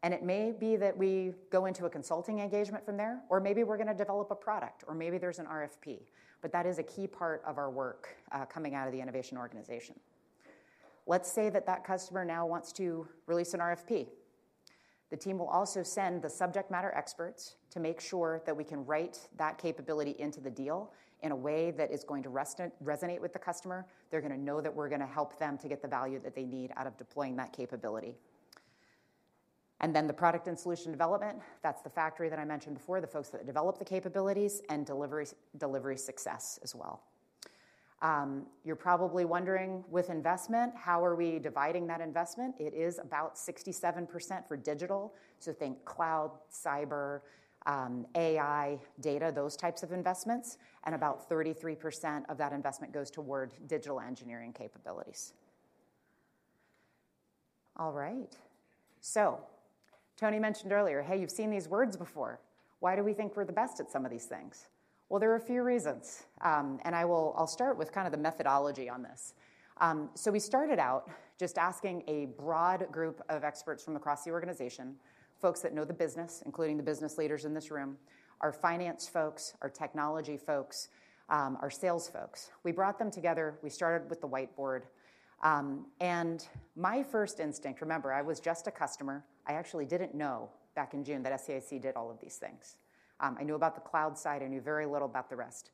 S3: And it may be that we go into a consulting engagement from there, or maybe we're going to develop a product, or maybe there's an RFP. But that is a key part of our work coming out of the innovation organization. Let's say that that customer now wants to release an RFP. The team will also send the subject matter experts to make sure that we can write that capability into the deal in a way that is going to resonate with the customer. They're going to know that we're going to help them to get the value that they need out of deploying that capability. And then the product and solution development, that's the factory that I mentioned before, the folks that develop the capabilities and delivery success as well. You're probably wondering, with investment, how are we dividing that investment? It is about 67% for digital. So think cloud, cyber, AI, data, those types of investments. About 33% of that investment goes toward digital engineering capabilities. All right. Toni mentioned earlier, "Hey, you've seen these words before. Why do we think we're the best at some of these things?" Well, there are a few reasons. I'll start with kind of the methodology on this. We started out just asking a broad group of experts from across the organization, folks that know the business, including the business leaders in this room, our finance folks, our technology folks, our sales folks. We brought them together. We started with the whiteboard. My first instinct, remember, I was just a customer. I actually didn't know back in June that SAIC did all of these things. I knew about the cloud side. I knew very little about the rest.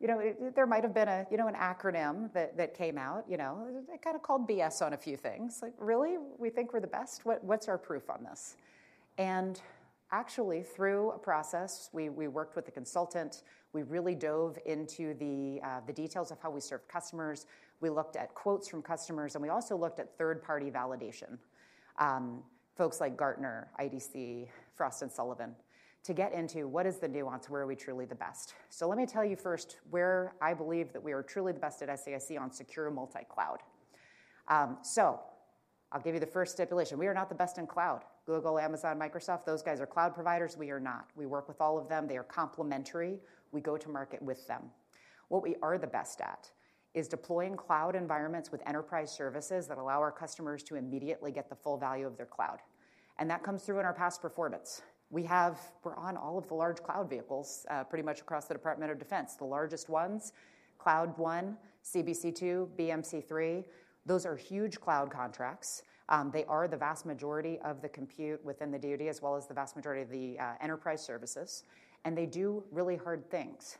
S3: And there might have been an acronym that came out. They kind of called BS on a few things. Like, "Really? We think we're the best? What's our proof on this?" And actually, through a process, we worked with a consultant. We really dove into the details of how we served customers. We looked at quotes from customers. And we also looked at third-party validation, folks like Gartner, IDC, Frost & Sullivan, to get into, "What is the nuance? Where are we truly the best?" So let me tell you first where I believe that we are truly the best at SAIC on secure multicloud. So I'll give you the first stipulation. We are not the best in cloud. Google, Amazon, Microsoft, those guys are cloud providers. We are not. We work with all of them. They are complementary. We go to market with them. What we are the best at is deploying cloud environments with enterprise services that allow our customers to immediately get the full value of their cloud. That comes through in our past performance. We're on all of the large cloud vehicles pretty much across the Department of Defense, the largest ones, Cloud One, CBC2, BMC3. Those are huge cloud contracts. They are the vast majority of the compute within the DoD as well as the vast majority of the enterprise services. They do really hard things.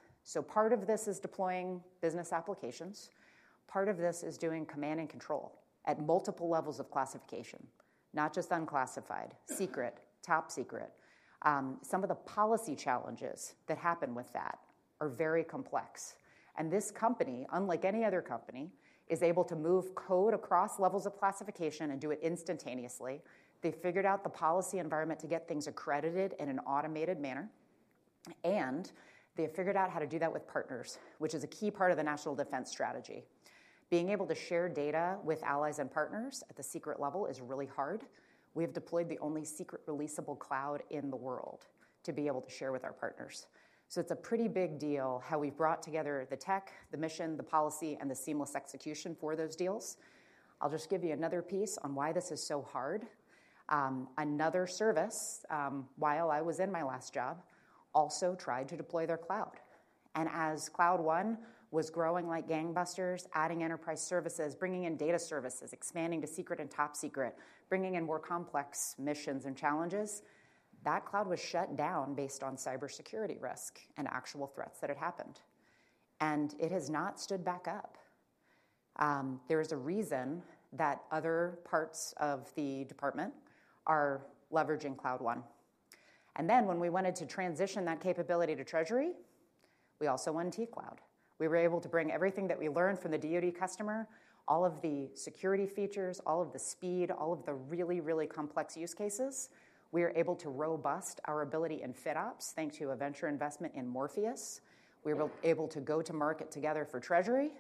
S3: Part of this is deploying business applications. Part of this is doing command and control at multiple levels of classification, not just unclassified, secret, top secret. Some of the policy challenges that happen with that are very complex. This company, unlike any other company, is able to move code across levels of classification and do it instantaneously. They figured out the policy environment to get things accredited in an automated manner. They have figured out how to do that with partners, which is a key part of the national defense strategy. Being able to share data with allies and partners at the secret level is really hard. We have deployed the only secret releasable cloud in the world to be able to share with our partners. It's a pretty big deal how we've brought together the tech, the mission, the policy, and the seamless execution for those deals. I'll just give you another piece on why this is so hard. Another service, while I was in my last job, also tried to deploy their cloud. As Cloud One was growing like gangbusters, adding enterprise services, bringing in data services, expanding to secret and top secret, bringing in more complex missions and challenges, that cloud was shut down based on cybersecurity risk and actual threats that had happened. It has not stood back up. There is a reason that other parts of the department are leveraging Cloud One. Then when we wanted to transition that capability to Treasury, we also won T-Cloud. We were able to bring everything that we learned from the DoD customer, all of the security features, all of the speed, all of the really, really complex use cases. We are able to robust our ability in FinOps thanks to a venture investment in Morpheus. We were able to go to market together for Treasury.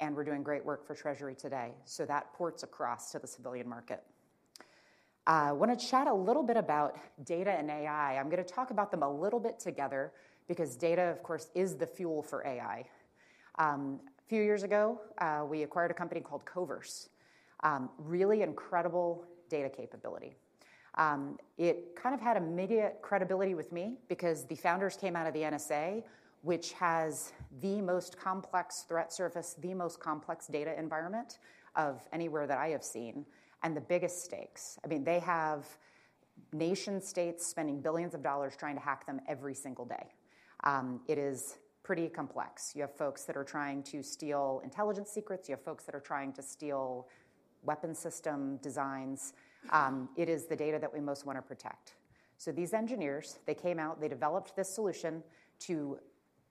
S3: We're doing great work for Treasury today. So that ports across to the civilian market. I want to chat a little bit about data and AI. I'm going to talk about them a little bit together because data, of course, is the fuel for AI. A few years ago, we acquired a company called Koverse, really incredible data capability. It kind of had immediate credibility with me because the founders came out of the NSA, which has the most complex threat service, the most complex data environment of anywhere that I have seen, and the biggest stakes. I mean, they have nation-states spending billions of dollars trying to hack them every single day. It is pretty complex. You have folks that are trying to steal intelligence secrets. You have folks that are trying to steal weapon system designs. It is the data that we most want to protect. So these engineers, they came out. They developed this solution to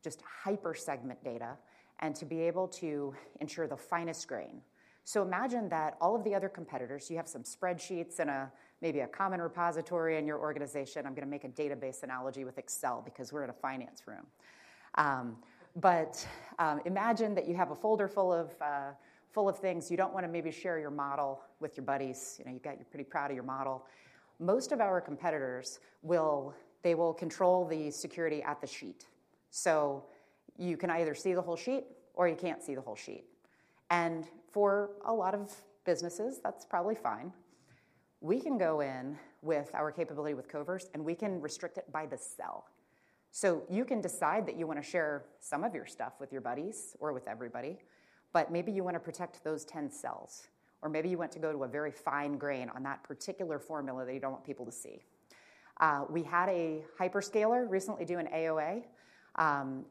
S3: just hypersegment data and to be able to ensure the finest grain. So imagine that all of the other competitors, you have some spreadsheets and maybe a common repository in your organization. I'm going to make a database analogy with Excel because we're in a finance room. But imagine that you have a folder full of things. You don't want to maybe share your model with your buddies. You're pretty proud of your model. Most of our competitors, they will control the security at the sheet. So you can either see the whole sheet or you can't see the whole sheet. And for a lot of businesses, that's probably fine. We can go in with our capability with Koverse, and we can restrict it by the cell. So you can decide that you want to share some of your stuff with your buddies or with everybody. But maybe you want to protect those 10 cells. Or maybe you want to go to a very fine grain on that particular formula that you don't want people to see. We had a hyperscaler recently do an AOA.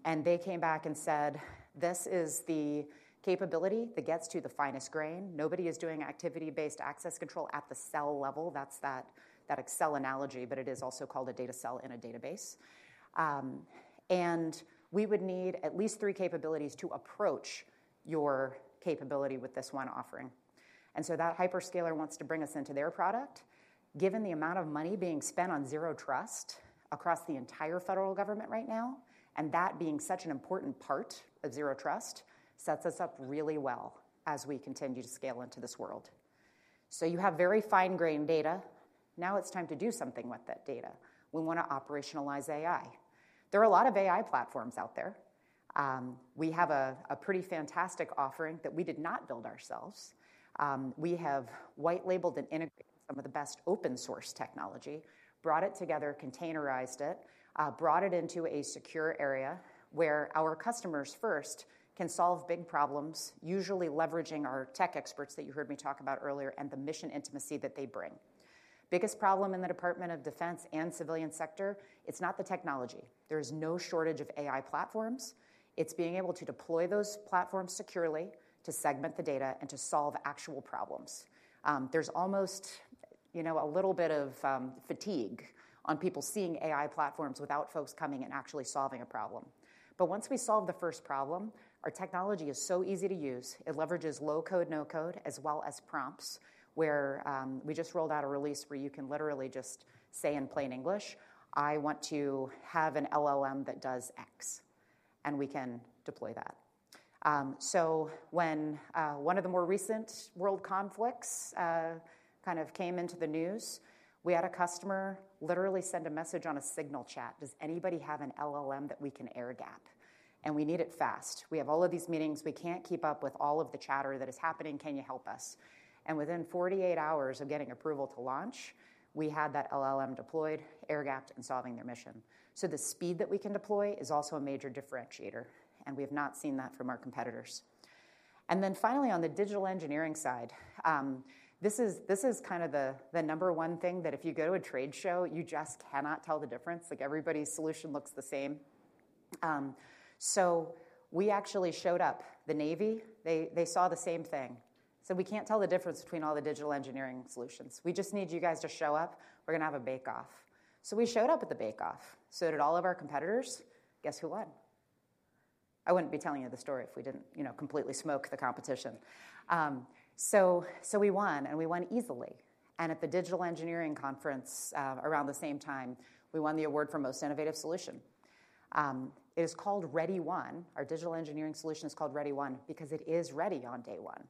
S3: And they came back and said, "This is the capability that gets to the finest grain. Nobody is doing activity-based access control at the cell level." That's that Excel analogy. But it is also called a data cell in a database. And we would need at least three capabilities to approach your capability with this one offering. And so that hyperscaler wants to bring us into their product, given the amount of money being spent on Zero Trust across the entire federal government right now. That being such an important part of Zero Trust sets us up really well as we continue to scale into this world. So you have very fine-grained data. Now it's time to do something with that data. We want to operationalize AI. There are a lot of AI platforms out there. We have a pretty fantastic offering that we did not build ourselves. We have white-labeled and integrated some of the best open-source technology, brought it together, containerized it, brought it into a secure area where our customers first can solve big problems, usually leveraging our tech experts that you heard me talk about earlier and the mission intimacy that they bring. Biggest problem in the Department of Defense and civilian sector, it's not the technology. There is no shortage of AI platforms. It's being able to deploy those platforms securely to segment the data and to solve actual problems. There's almost a little bit of fatigue on people seeing AI platforms without folks coming and actually solving a problem. But once we solve the first problem, our technology is so easy to use. It leverages low-code, no-code, as well as prompts where we just rolled out a release where you can literally just say in plain English, "I want to have an LLM that does X." And we can deploy that. So when one of the more recent world conflicts kind of came into the news, we had a customer literally send a message on a Signal chat, "Does anybody have an LLM that we can air-gap? And we need it fast. We have all of these meetings. We can't keep up with all of the chatter that is happening. “Can you help us?” And within 48 hours of getting approval to launch, we had that LLM deployed, air-gapped, and solving their mission. So the speed that we can deploy is also a major differentiator. And we have not seen that from our competitors. And then finally, on the digital engineering side, this is kind of the number one thing that if you go to a trade show, you just cannot tell the difference. Everybody's solution looks the same. So we actually showed up. The Navy, they saw the same thing. Said, “We can't tell the difference between all the digital engineering solutions. We just need you guys to show up. We're going to have a bake-off.” So we showed up at the bake-off. So did all of our competitors. Guess who won? I wouldn't be telling you the story if we didn't completely smoke the competition. So we won. We won easily. At the digital engineering conference around the same time, we won the award for most innovative solution. It is called ReadyOne. Our digital engineering solution is called ReadyOne because it is ready on day one.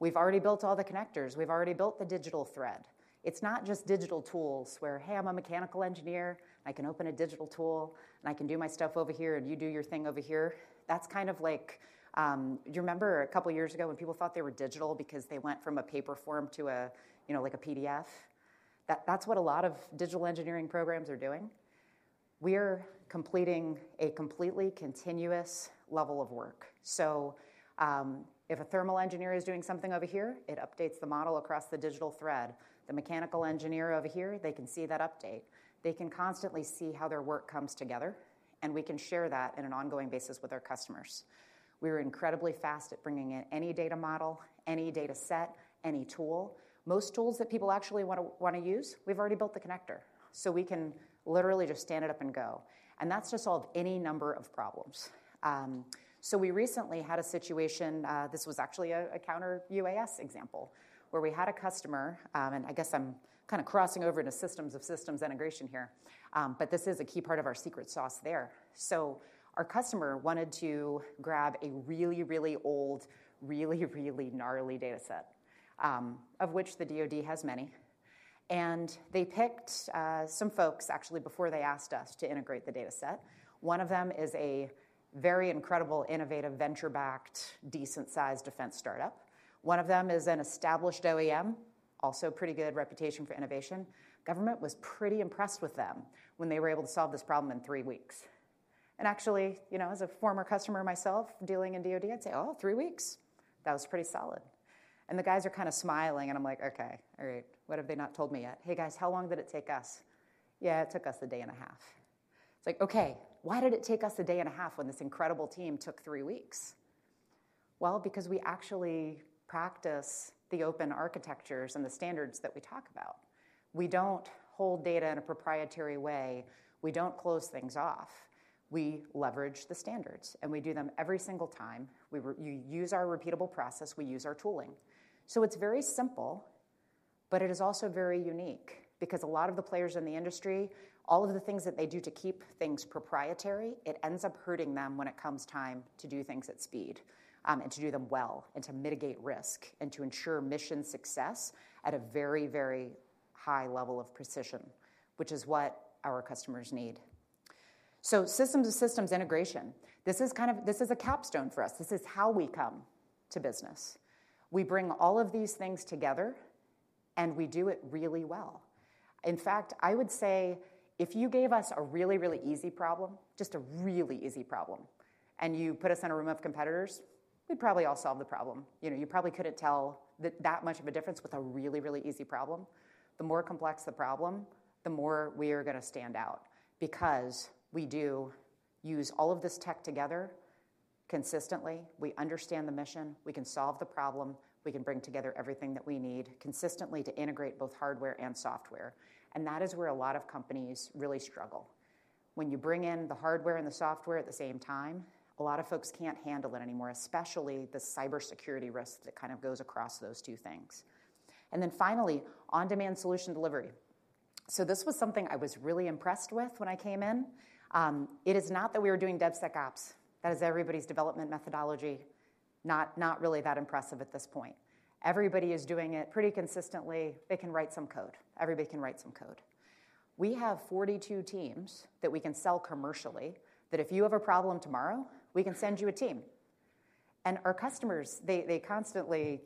S3: We've already built all the connectors. We've already built the digital thread. It's not just digital tools where, "Hey, I'm a mechanical engineer. I can open a digital tool. And I can do my stuff over here. And you do your thing over here." That's kind of like do you remember a couple of years ago when people thought they were digital because they went from a paper form to a PDF? That's what a lot of digital engineering programs are doing. We are completing a completely continuous level of work. So if a thermal engineer is doing something over here, it updates the model across the digital thread. The mechanical engineer over here, they can see that update. They can constantly see how their work comes together. And we can share that on an ongoing basis with our customers. We were incredibly fast at bringing in any data model, any data set, any tool. Most tools that people actually want to use, we've already built the connector. So we can literally just stand it up and go. And that's to solve any number of problems. So we recently had a situation. This was actually a counter-UAS example where we had a customer, and I guess I'm kind of crossing over into systems of systems integration here. But this is a key part of our secret sauce there. So our customer wanted to grab a really, really old, really, really gnarly data set, of which the DoD has many. And they picked some folks actually before they asked us to integrate the data set. One of them is a very incredible, innovative, venture-backed, decent-sized defense startup. One of them is an established OEM, also pretty good reputation for innovation. Government was pretty impressed with them when they were able to solve this problem in three weeks. And actually, as a former customer myself dealing in DoD, I'd say, "Oh, three weeks? That was pretty solid." And the guys are kind of smiling. And I'm like, "OK, all right. What have they not told me yet? Hey, guys, how long did it take us?" "Yeah, it took us a day and a half." It's like, "OK, why did it take us a day and a half when this incredible team took three weeks?" Well, because we actually practice the open architectures and the standards that we talk about. We don't hold data in a proprietary way. We don't close things off. We leverage the standards. And we do them every single time. You use our repeatable process. We use our tooling. So it's very simple. But it is also very unique because a lot of the players in the industry, all of the things that they do to keep things proprietary, it ends up hurting them when it comes time to do things at speed and to do them well and to mitigate risk and to ensure mission success at a very, very high level of precision, which is what our customers need. So systems of systems integration, this is a capstone for us. This is how we come to business. We bring all of these things together. And we do it really well. In fact, I would say if you gave us a really, really easy problem, just a really easy problem, and you put us in a room of competitors, we'd probably all solve the problem. You probably couldn't tell that much of a difference with a really, really easy problem. The more complex the problem, the more we are going to stand out because we do use all of this tech together consistently. We understand the mission. We can solve the problem. We can bring together everything that we need consistently to integrate both hardware and software. And that is where a lot of companies really struggle. When you bring in the hardware and the software at the same time, a lot of folks can't handle it anymore, especially the cybersecurity risk that kind of goes across those two things. And then finally, on-demand solution delivery. So this was something I was really impressed with when I came in. It is not that we were doing DevSecOps. That is everybody's development methodology. Not really that impressive at this point. Everybody is doing it pretty consistently. They can write some code. Everybody can write some code. We have 42 teams that we can sell commercially that if you have a problem tomorrow, we can send you a team. Our customers, they constantly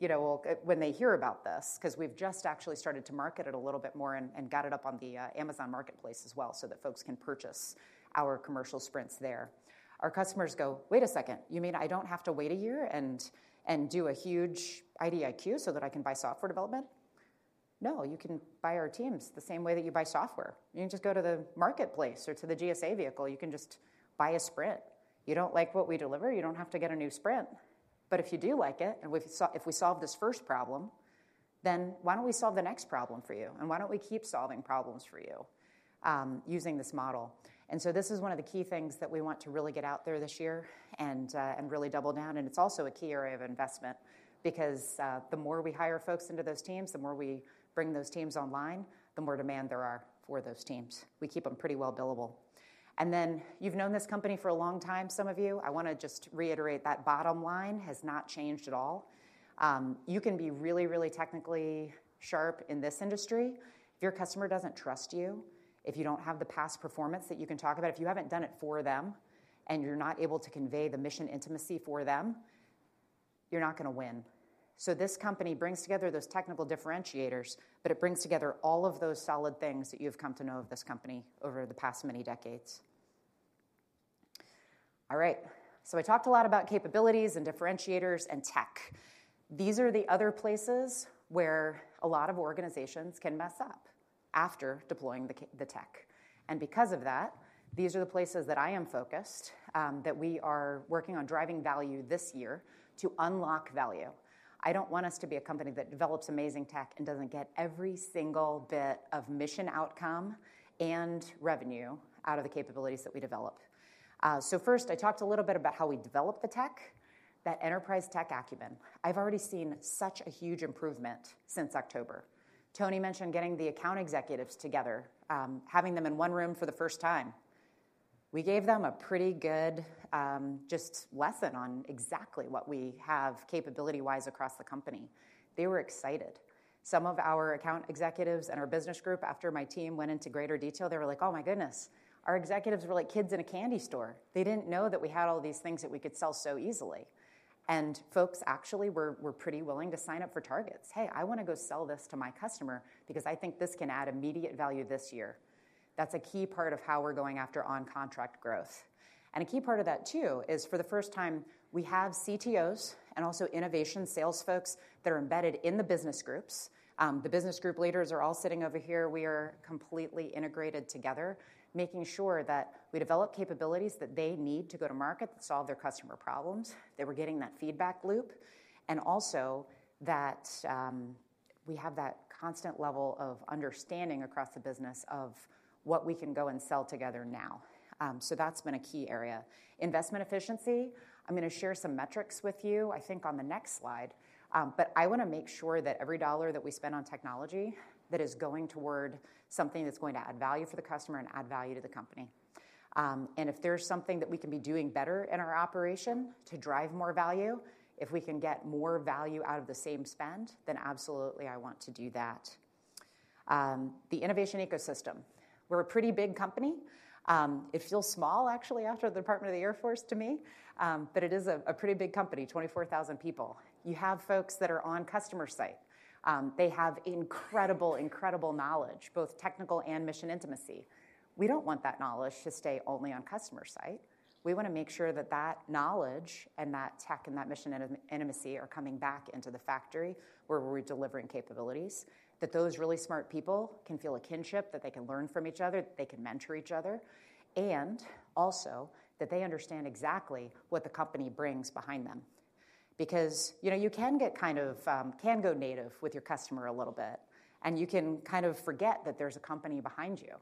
S3: when they hear about this because we've just actually started to market it a little bit more and got it up on the Amazon Marketplace as well so that folks can purchase our commercial sprints there, our customers go, "Wait a second. You mean I don't have to wait a year and do a huge IDIQ so that I can buy software development?" No, you can buy our teams the same way that you buy software. You can just go to the Marketplace or to the GSA vehicle. You can just buy a sprint. You don't like what we deliver, you don't have to get a new sprint. But if you do like it, and if we solve this first problem, then why don't we solve the next problem for you? And why don't we keep solving problems for you using this model? And so this is one of the key things that we want to really get out there this year and really double down. And it's also a key area of investment because the more we hire folks into those teams, the more we bring those teams online, the more demand there are for those teams. We keep them pretty well billable. And then you've known this company for a long time, some of you. I want to just reiterate that bottom line has not changed at all. You can be really, really technically sharp in this industry. If your customer doesn't trust you, if you don't have the past performance that you can talk about, if you haven't done it for them, and you're not able to convey the mission intimacy for them, you're not going to win. So this company brings together those technical differentiators. But it brings together all of those solid things that you have come to know of this company over the past many decades. All right. So I talked a lot about capabilities and differentiators and tech. These are the other places where a lot of organizations can mess up after deploying the tech. And because of that, these are the places that I am focused, that we are working on driving value this year to unlock value. I don't want us to be a company that develops amazing tech and doesn't get every single bit of mission outcome and revenue out of the capabilities that we develop. So first, I talked a little bit about how we develop the tech, that enterprise tech acumen. I've already seen such a huge improvement since October. Toni mentioned getting the account executives together, having them in one room for the first time. We gave them a pretty good just lesson on exactly what we have capability-wise across the company. They were excited. Some of our account executives and our business group, after my team went into greater detail, they were like, "Oh my goodness." Our executives were like kids in a candy store. They didn't know that we had all these things that we could sell so easily. Folks actually were pretty willing to sign up for targets: "Hey, I want to go sell this to my customer because I think this can add immediate value this year." That's a key part of how we're going after on-contract growth. A key part of that, too, is for the first time, we have CTOs and also innovation sales folks that are embedded in the business groups. The business group leaders are all sitting over here. We are completely integrated together, making sure that we develop capabilities that they need to go to market, solve their customer problems. They were getting that feedback loop. We also have that constant level of understanding across the business of what we can go and sell together now. That's been a key area. Investment efficiency. I'm going to share some metrics with you, I think, on the next slide. But I want to make sure that every dollar that we spend on technology that is going toward something that's going to add value for the customer and add value to the company. And if there's something that we can be doing better in our operation to drive more value, if we can get more value out of the same spend, then absolutely, I want to do that. The innovation ecosystem. We're a pretty big company. It feels small, actually, after the Department of the Air Force to me. But it is a pretty big company, 24,000 people. You have folks that are on customer site. They have incredible, incredible knowledge, both technical and mission intimacy. We don't want that knowledge to stay only on customer site. We want to make sure that that knowledge and that tech and that mission intimacy are coming back into the factory where we're delivering capabilities, that those really smart people can feel a kinship, that they can learn from each other, that they can mentor each other, and also that they understand exactly what the company brings behind them. Because you can get kind of can go native with your customer a little bit. You can kind of forget that there's a company behind you.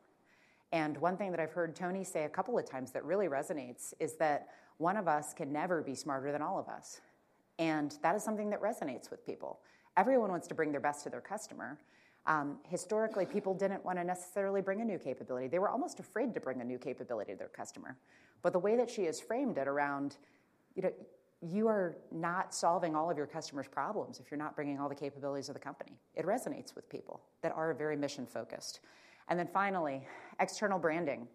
S3: One thing that I've heard Toni say a couple of times that really resonates is that one of us can never be smarter than all of us. That is something that resonates with people. Everyone wants to bring their best to their customer. Historically, people didn't want to necessarily bring a new capability. They were almost afraid to bring a new capability to their customer. But the way that she has framed it around, you are not solving all of your customers' problems if you're not bringing all the capabilities of the company, it resonates with people that are very mission-focused. And then finally, external branding.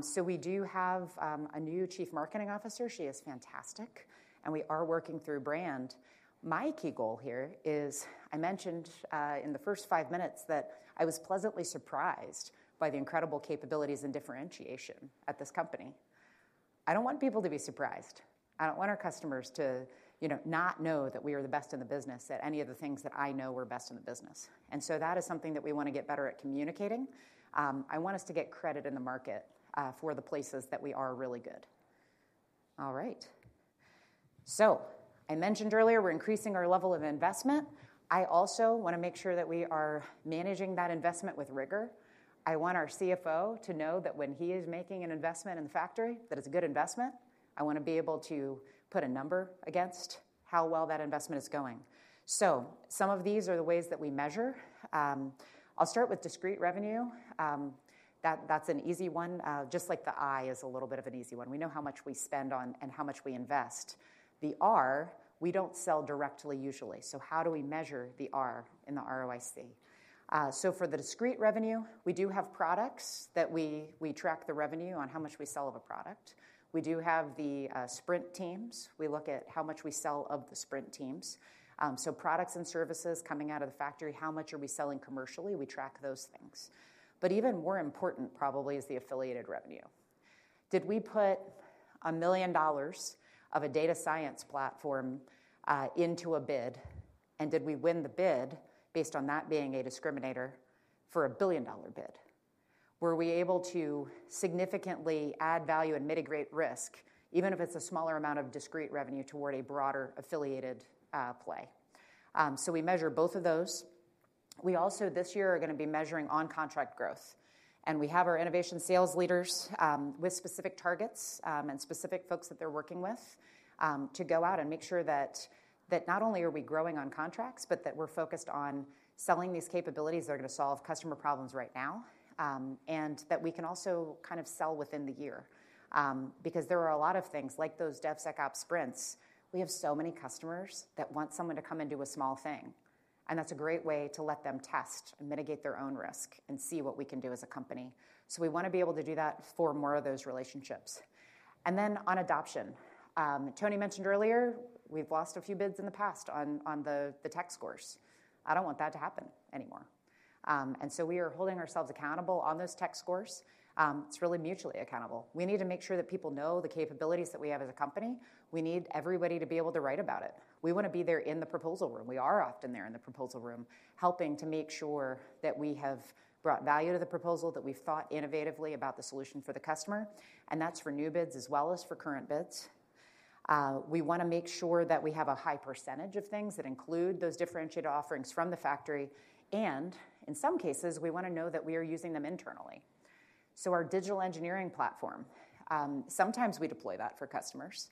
S3: So we do have a new Chief Marketing Officer. She is fantastic. And we are working through brand. My key goal here is, I mentioned in the first five minutes, that I was pleasantly surprised by the incredible capabilities and differentiation at this company. I don't want people to be surprised. I don't want our customers to not know that we are the best in the business at any of the things that I know we're best in the business. And so that is something that we want to get better at communicating. I want us to get credit in the market for the places that we are really good. All right. So I mentioned earlier we're increasing our level of investment. I also want to make sure that we are managing that investment with rigor. I want our CFO to know that when he is making an investment in the factory, that it's a good investment. I want to be able to put a number against how well that investment is going. So some of these are the ways that we measure. I'll start with discrete revenue. That's an easy one. Just like the I is a little bit of an easy one. We know how much we spend on and how much we invest. The R, we don't sell directly usually. So how do we measure the R in the ROIC? So for the discrete revenue, we do have products that we track the revenue on how much we sell of a product. We do have the sprint teams. We look at how much we sell of the sprint teams. So products and services coming out of the factory, how much are we selling commercially? We track those things. But even more important, probably, is the affiliated revenue. Did we put $1 million of a data science platform into a bid? And did we win the bid based on that being a discriminator for a billion-dollar bid? Were we able to significantly add value and mitigate risk, even if it's a smaller amount of discrete revenue, toward a broader affiliated play? So we measure both of those. We also, this year, are going to be measuring on-contract growth. We have our innovation sales leaders with specific targets and specific folks that they're working with to go out and make sure that not only are we growing on contracts, but that we're focused on selling these capabilities that are going to solve customer problems right now, and that we can also kind of sell within the year. Because there are a lot of things, like those DevSecOps sprints, we have so many customers that want someone to come and do a small thing. And that's a great way to let them test and mitigate their own risk and see what we can do as a company. So we want to be able to do that for more of those relationships. And then on adoption, Toni mentioned earlier, we've lost a few bids in the past on the tech scores. I don't want that to happen anymore. And so we are holding ourselves accountable on those tech scores. It's really mutually accountable. We need to make sure that people know the capabilities that we have as a company. We need everybody to be able to write about it. We want to be there in the proposal room. We are often there in the proposal room, helping to make sure that we have brought value to the proposal, that we've thought innovatively about the solution for the customer. And that's for new bids as well as for current bids. We want to make sure that we have a high percentage of things that include those differentiated offerings from the factory. And in some cases, we want to know that we are using them internally. So our digital engineering platform, sometimes we deploy that for customers.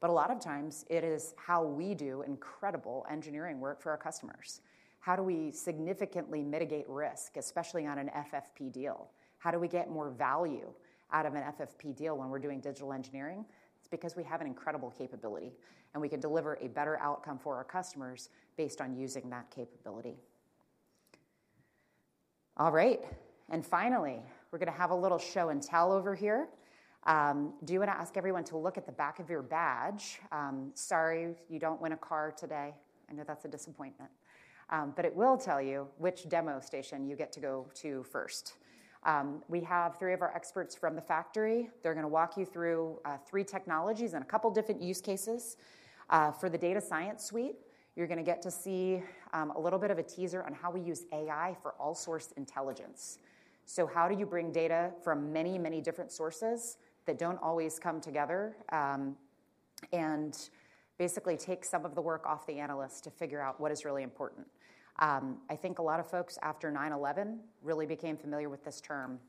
S3: But a lot of times, it is how we do incredible engineering work for our customers. How do we significantly mitigate risk, especially on an FFP deal? How do we get more value out of an FFP deal when we're doing digital engineering? It's because we have an incredible capability. And we can deliver a better outcome for our customers based on using that capability. All right. Finally, we're going to have a little show and tell over here. Do you want to ask everyone to look at the back of your badge? Sorry, you don't win a car today. I know that's a disappointment. But it will tell you which demo station you get to go to first. We have three of our experts from the factory. They're going to walk you through three technologies and a couple of different use cases. For the data science suite, you're going to get to see a little bit of a teaser on how we use AI for all-source intelligence. So how do you bring data from many, many different sources that don't always come together and basically take some of the work off the analyst to figure out what is really important? I think a lot of folks after 9/11 really became familiar with this term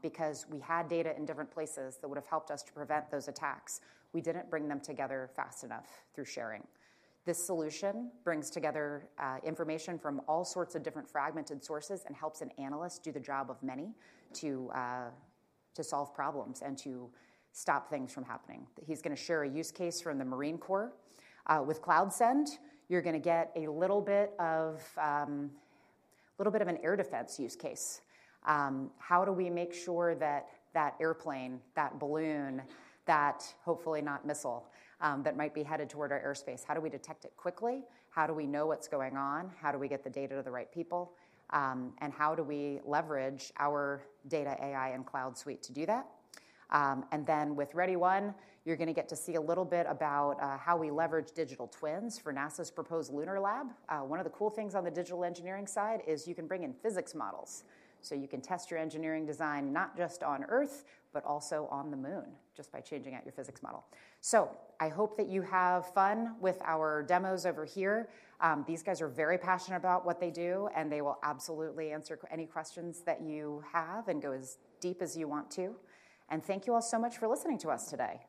S3: because we had data in different places that would have helped us to prevent those attacks. We didn't bring them together fast enough through sharing. This solution brings together information from all sorts of different fragmented sources and helps an analyst do the job of many to solve problems and to stop things from happening. He's going to share a use case from the Marine Corps. With CloudScend, you're going to get a little bit of a little bit of an air defense use case. How do we make sure that airplane, that balloon, that hopefully not missile, that might be headed toward our airspace, how do we detect it quickly? How do we know what's going on? How do we get the data to the right people? And how do we leverage our data AI and cloud suite to do that? And then with ReadyOne, you're going to get to see a little bit about how we leverage digital twins for NASA's proposed lunar lab. One of the cool things on the digital engineering side is you can bring in physics models. So you can test your engineering design not just on Earth, but also on the moon just by changing out your physics model. So I hope that you have fun with our demos over here. These guys are very passionate about what they do. And they will absolutely answer any questions that you have and go as deep as you want to. Thank you all so much for listening to us today.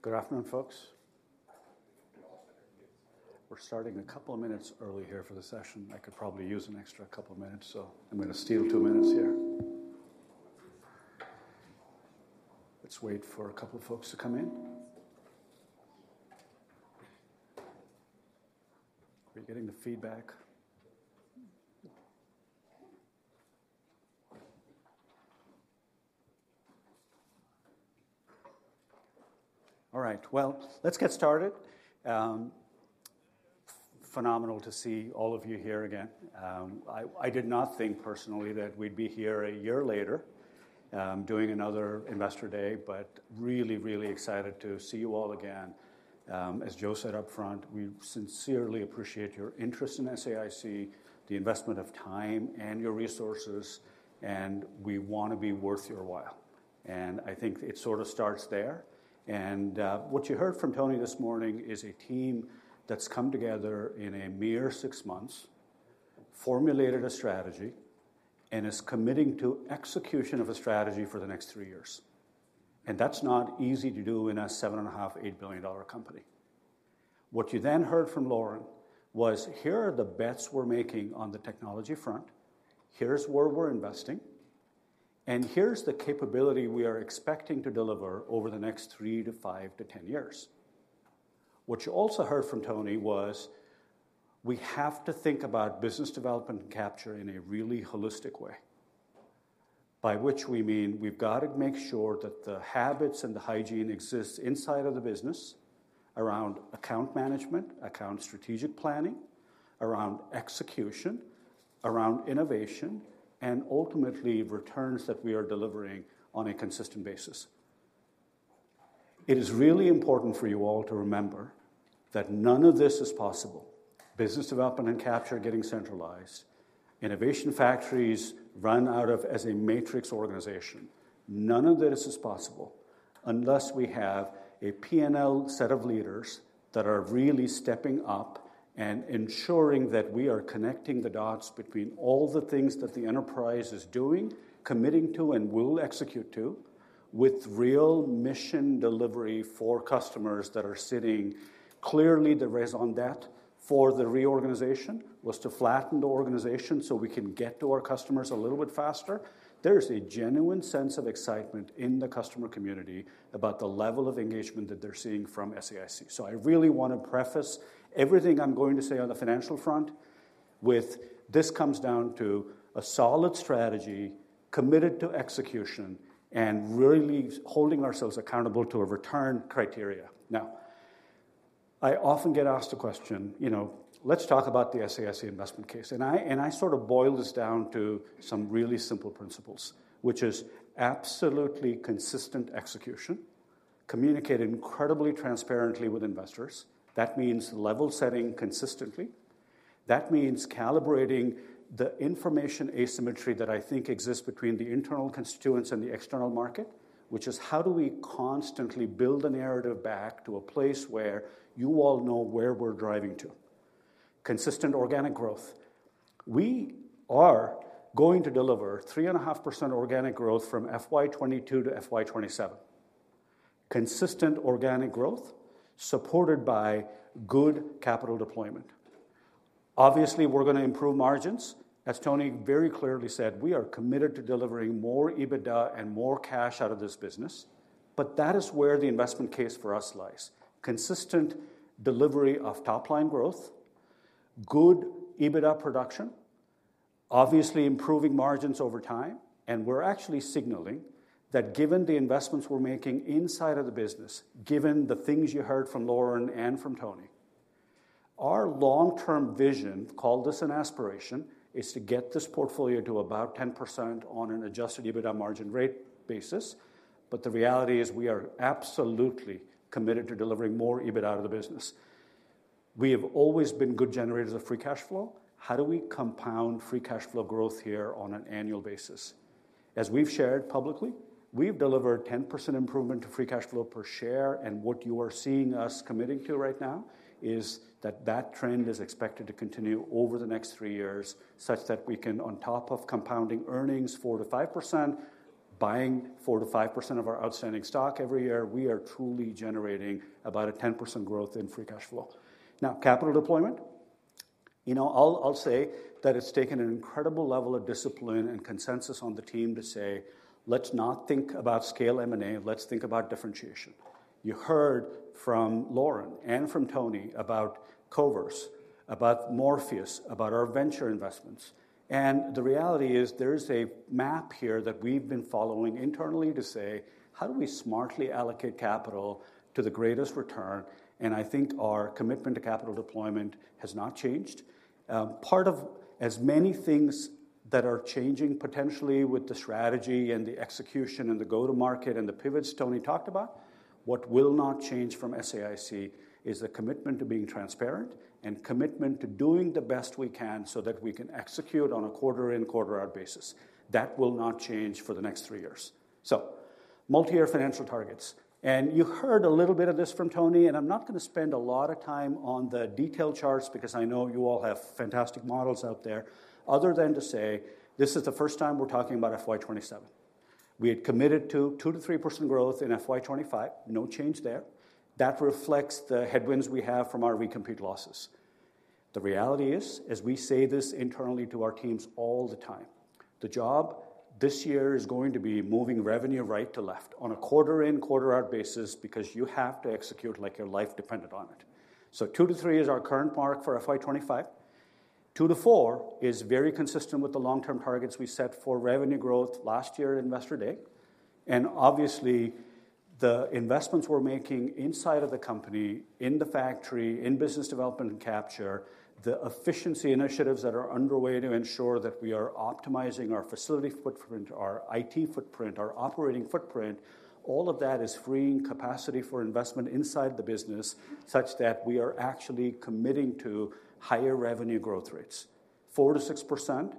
S4: Good afternoon, folks. We're starting a couple of minutes early here for the session. I could probably use an extra couple of minutes, so I'm going to steal two minutes here. Let's wait for a couple of folks to come in. Are you getting the feedback? All right. Well, let's get started. Phenomenal to see all of you here again. I did not think personally that we'd be here a year later doing another Investor Day, but really, really excited to see you all again. As Joe said upfront, we sincerely appreciate your interest in SAIC, the investment of time, and your resources, and we want to be worth your while. I think it sort of starts there. What you heard from Toni this morning is a team that's come together in a mere six months, formulated a strategy, and is committing to execution of a strategy for the next three years. That's not easy to do in a $7.5 billion-$8 billion company. What you then heard from Lauren was, "Here are the bets we're making on the technology front. Here's where we're investing. Here's the capability we are expecting to deliver over the next three to five to 10 years." What you also heard from Toni was, "We have to think about business development and capture in a really holistic way," by which we mean we've got to make sure that the habits and the hygiene exist inside of the business around account management, account strategic planning, around execution, around innovation, and ultimately returns that we are delivering on a consistent basis. It is really important for you all to remember that none of this is possible. Business development and capture are getting centralized. Innovation factories run out of as a matrix organization. None of this is possible unless we have a P&L set of leaders that are really stepping up and ensuring that we are connecting the dots between all the things that the enterprise is doing, committing to, and will execute to, with real mission delivery for customers that are sitting clearly. The raison d'être for the reorganization was to flatten the organization so we can get to our customers a little bit faster. There's a genuine sense of excitement in the customer community about the level of engagement that they're seeing from SAIC. So I really want to preface everything I'm going to say on the financial front with, "This comes down to a solid strategy committed to execution and really holding ourselves accountable to a return criteria." Now, I often get asked the question, you know, "Let's talk about the SAIC investment case." And I sort of boil this down to some really simple principles, which is absolutely consistent execution, communicate incredibly transparently with investors. That means level setting consistently. That means calibrating the information asymmetry that I think exists between the internal constituents and the external market, which is how do we constantly build a narrative back to a place where you all know where we're driving to? Consistent organic growth. We are going to deliver 3.5% organic growth from FY 2022 to FY 2027. Consistent organic growth supported by good capital deployment. Obviously, we're going to improve margins. As Toni very clearly said, we are committed to delivering more EBITDA and more cash out of this business. But that is where the investment case for us lies. Consistent delivery of top-line growth, good EBITDA production, obviously improving margins over time. And we're actually signaling that given the investments we're making inside of the business, given the things you heard from Lauren and from Toni, our long-term vision, call this an aspiration, is to get this portfolio to about 10% on an adjusted EBITDA margin rate basis. But the reality is we are absolutely committed to delivering more EBITDA out of the business. We have always been good generators of free cash flow. How do we compound free cash flow growth here on an annual basis? As we've shared publicly, we've delivered 10% improvement to free cash flow per share. And what you are seeing us committing to right now is that that trend is expected to continue over the next three years, such that we can, on top of compounding earnings 4%-5%, buying 4%-5% of our outstanding stock every year, we are truly generating about a 10% growth in free cash flow. Now, capital deployment, you know, I'll say that it's taken an incredible level of discipline and consensus on the team to say, "Let's not think about scale M&A. Let's think about differentiation." You heard from Lauren and from Toni about Koverse, about Morpheus, about our venture investments. And the reality is there is a map here that we've been following internally to say, "How do we smartly allocate capital to the greatest return?" And I think our commitment to capital deployment has not changed. Part of as many things that are changing potentially with the strategy and the execution and the go-to-market and the pivots Toni talked about, what will not change from SAIC is the commitment to being transparent and commitment to doing the best we can so that we can execute on a quarter-in-quarter-out basis. That will not change for the next three years. So multi-year financial targets. And you heard a little bit of this from Toni, and I'm not going to spend a lot of time on the detailed charts because I know you all have fantastic models out there, other than to say, "This is the first time we're talking about FY 2027. We had committed to 2%-3% growth in FY 2025. No change there. That reflects the headwinds we have from our recompete losses." The reality is, as we say this internally to our teams all the time, the job this year is going to be moving revenue right to left on a quarter-in-quarter-out basis because you have to execute like your life depended on it. So 2%-3% is our current mark for FY 2025. 2%-4% is very consistent with the long-term targets we set for revenue growth last year at Investor Day. And obviously, the investments we're making inside of the company, in the factory, in business development and capture, the efficiency initiatives that are underway to ensure that we are optimizing our facility footprint, our IT footprint, our operating footprint, all of that is freeing capacity for investment inside the business such that we are actually committing to higher revenue growth rates. 4%-6%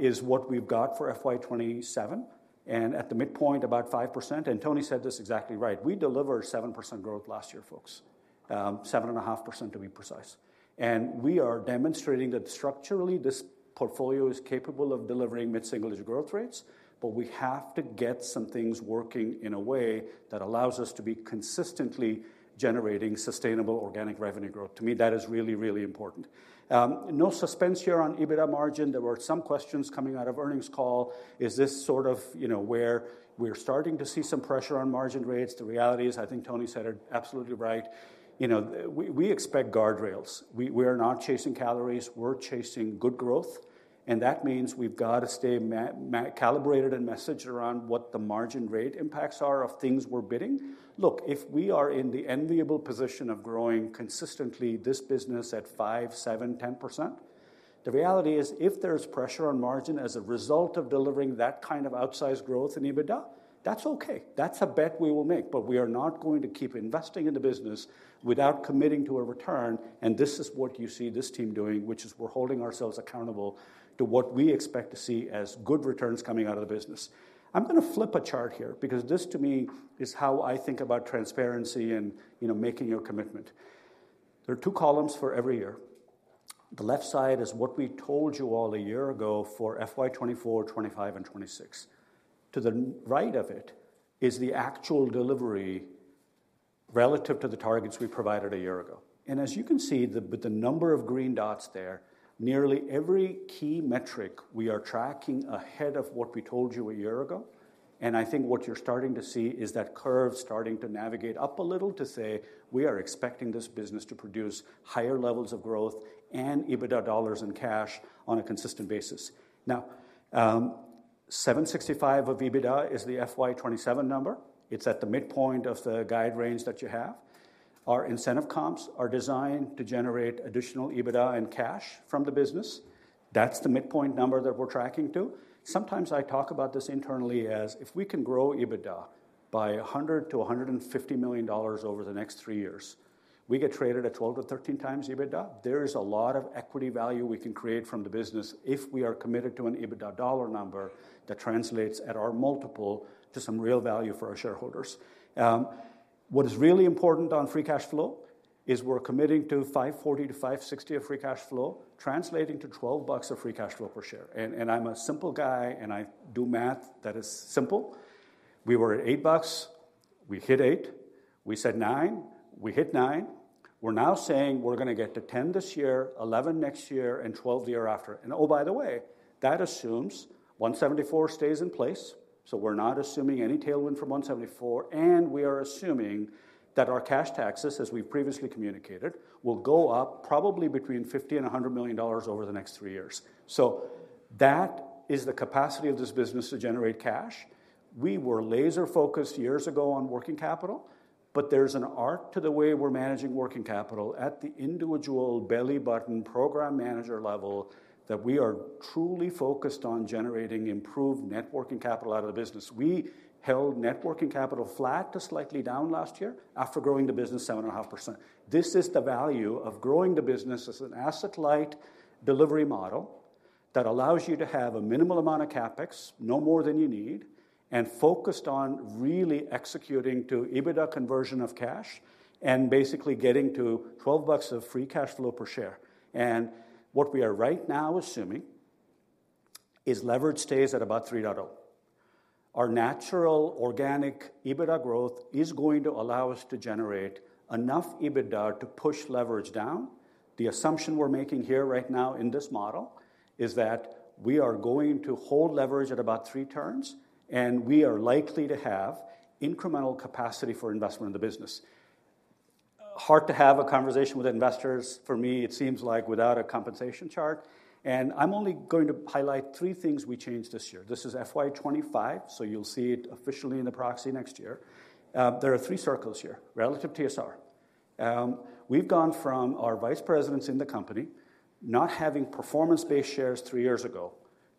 S4: is what we've got for FY 2027 and at the midpoint, about 5%. Toni said this exactly right. We delivered 7% growth last year, folks, 7.5% to be precise. We are demonstrating that structurally, this portfolio is capable of delivering mid-single-year growth rates, but we have to get some things working in a way that allows us to be consistently generating sustainable organic revenue growth. To me, that is really, really important. No suspense here on EBITDA margin. There were some questions coming out of earnings call. Is this sort of, you know, where we're starting to see some pressure on margin rates? The reality is, I think Toni said it absolutely right. You know, we expect guardrails. We are not chasing calories. We're chasing good growth. And that means we've got to stay calibrated and messaged around what the margin rate impacts are of things we're bidding. Look, if we are in the enviable position of growing consistently this business at 5%, 7%, 10%, the reality is if there's pressure on margin as a result of delivering that kind of outsized growth in EBITDA, that's okay. That's a bet we will make. But we are not going to keep investing in the business without committing to a return. And this is what you see this team doing, which is we're holding ourselves accountable to what we expect to see as good returns coming out of the business. I'm going to flip a chart here because this, to me, is how I think about transparency and, you know, making your commitment. There are two columns for every year. The left side is what we told you all a year ago for FY 2024, 2025, and 2026. To the right of it is the actual delivery relative to the targets we provided a year ago. As you can see, with the number of green dots there, nearly every key metric we are tracking ahead of what we told you a year ago. I think what you're starting to see is that curve starting to navigate up a little to say, "We are expecting this business to produce higher levels of growth and EBITDA dollars and cash on a consistent basis." Now, $765 million of EBITDA is the FY 2027 number. It's at the midpoint of the guide range that you have. Our incentive comps are designed to generate additional EBITDA and cash from the business. That's the midpoint number that we're tracking to. Sometimes I talk about this internally as if we can grow EBITDA by $100 million-$150 million over the next three years, we get traded at 12-13x EBITDA. There is a lot of equity value we can create from the business if we are committed to an EBITDA dollar number that translates at our multiple to some real value for our shareholders. What is really important on free cash flow is we're committing to $540 million-$560 million of free cash flow, translating to $12 of free cash flow per share. I'm a simple guy, and I do math that is simple. We were at $8. We hit $8. We said $9. We hit $9. We're now saying we're going to get to $10 this year, $11 next year, and $12 the year after. Oh, by the way, that assumes 174 stays in place. So we're not assuming any tailwind from 174. And we are assuming that our cash taxes, as we've previously communicated, will go up probably between $50 million and $100 million over the next three years. So that is the capacity of this business to generate cash. We were laser-focused years ago on working capital, but there's an art to the way we're managing working capital at the individual belly button program manager level that we are truly focused on generating improved net working capital out of the business. We held net working capital flat to slightly down last year after growing the business 7.5%. This is the value of growing the business as an asset-light delivery model that allows you to have a minimal amount of CapEx, no more than you need, and focused on really executing to EBITDA conversion of cash and basically getting to $12 of free cash flow per share. What we are right now assuming is leverage stays at about 3.0. Our natural organic EBITDA growth is going to allow us to generate enough EBITDA to push leverage down. The assumption we're making here right now in this model is that we are going to hold leverage at about three turns, and we are likely to have incremental capacity for investment in the business. Hard to have a conversation with investors. For me, it seems like without a compensation chart. I'm only going to highlight three things we changed this year. This is FY 2025, so you'll see it officially in the proxy next year. There are three circles here, relative TSR. We've gone from our vice presidents in the company not having performance-based shares three years ago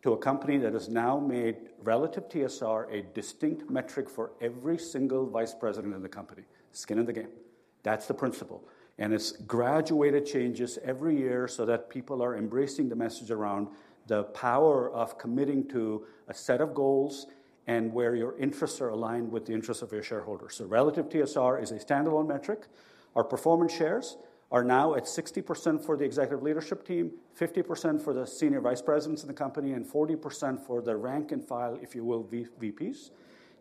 S4: to a company that has now made relative TSR a distinct metric for every single vice president in the company. Skin in the game. That's the principle. And it's graduated changes every year so that people are embracing the message around the power of committing to a set of goals and where your interests are aligned with the interests of your shareholders. So relative TSR is a standalone metric. Our performance shares are now at 60% for the executive leadership team, 50% for the senior vice presidents in the company, and 40% for the rank and file, if you will, VPs.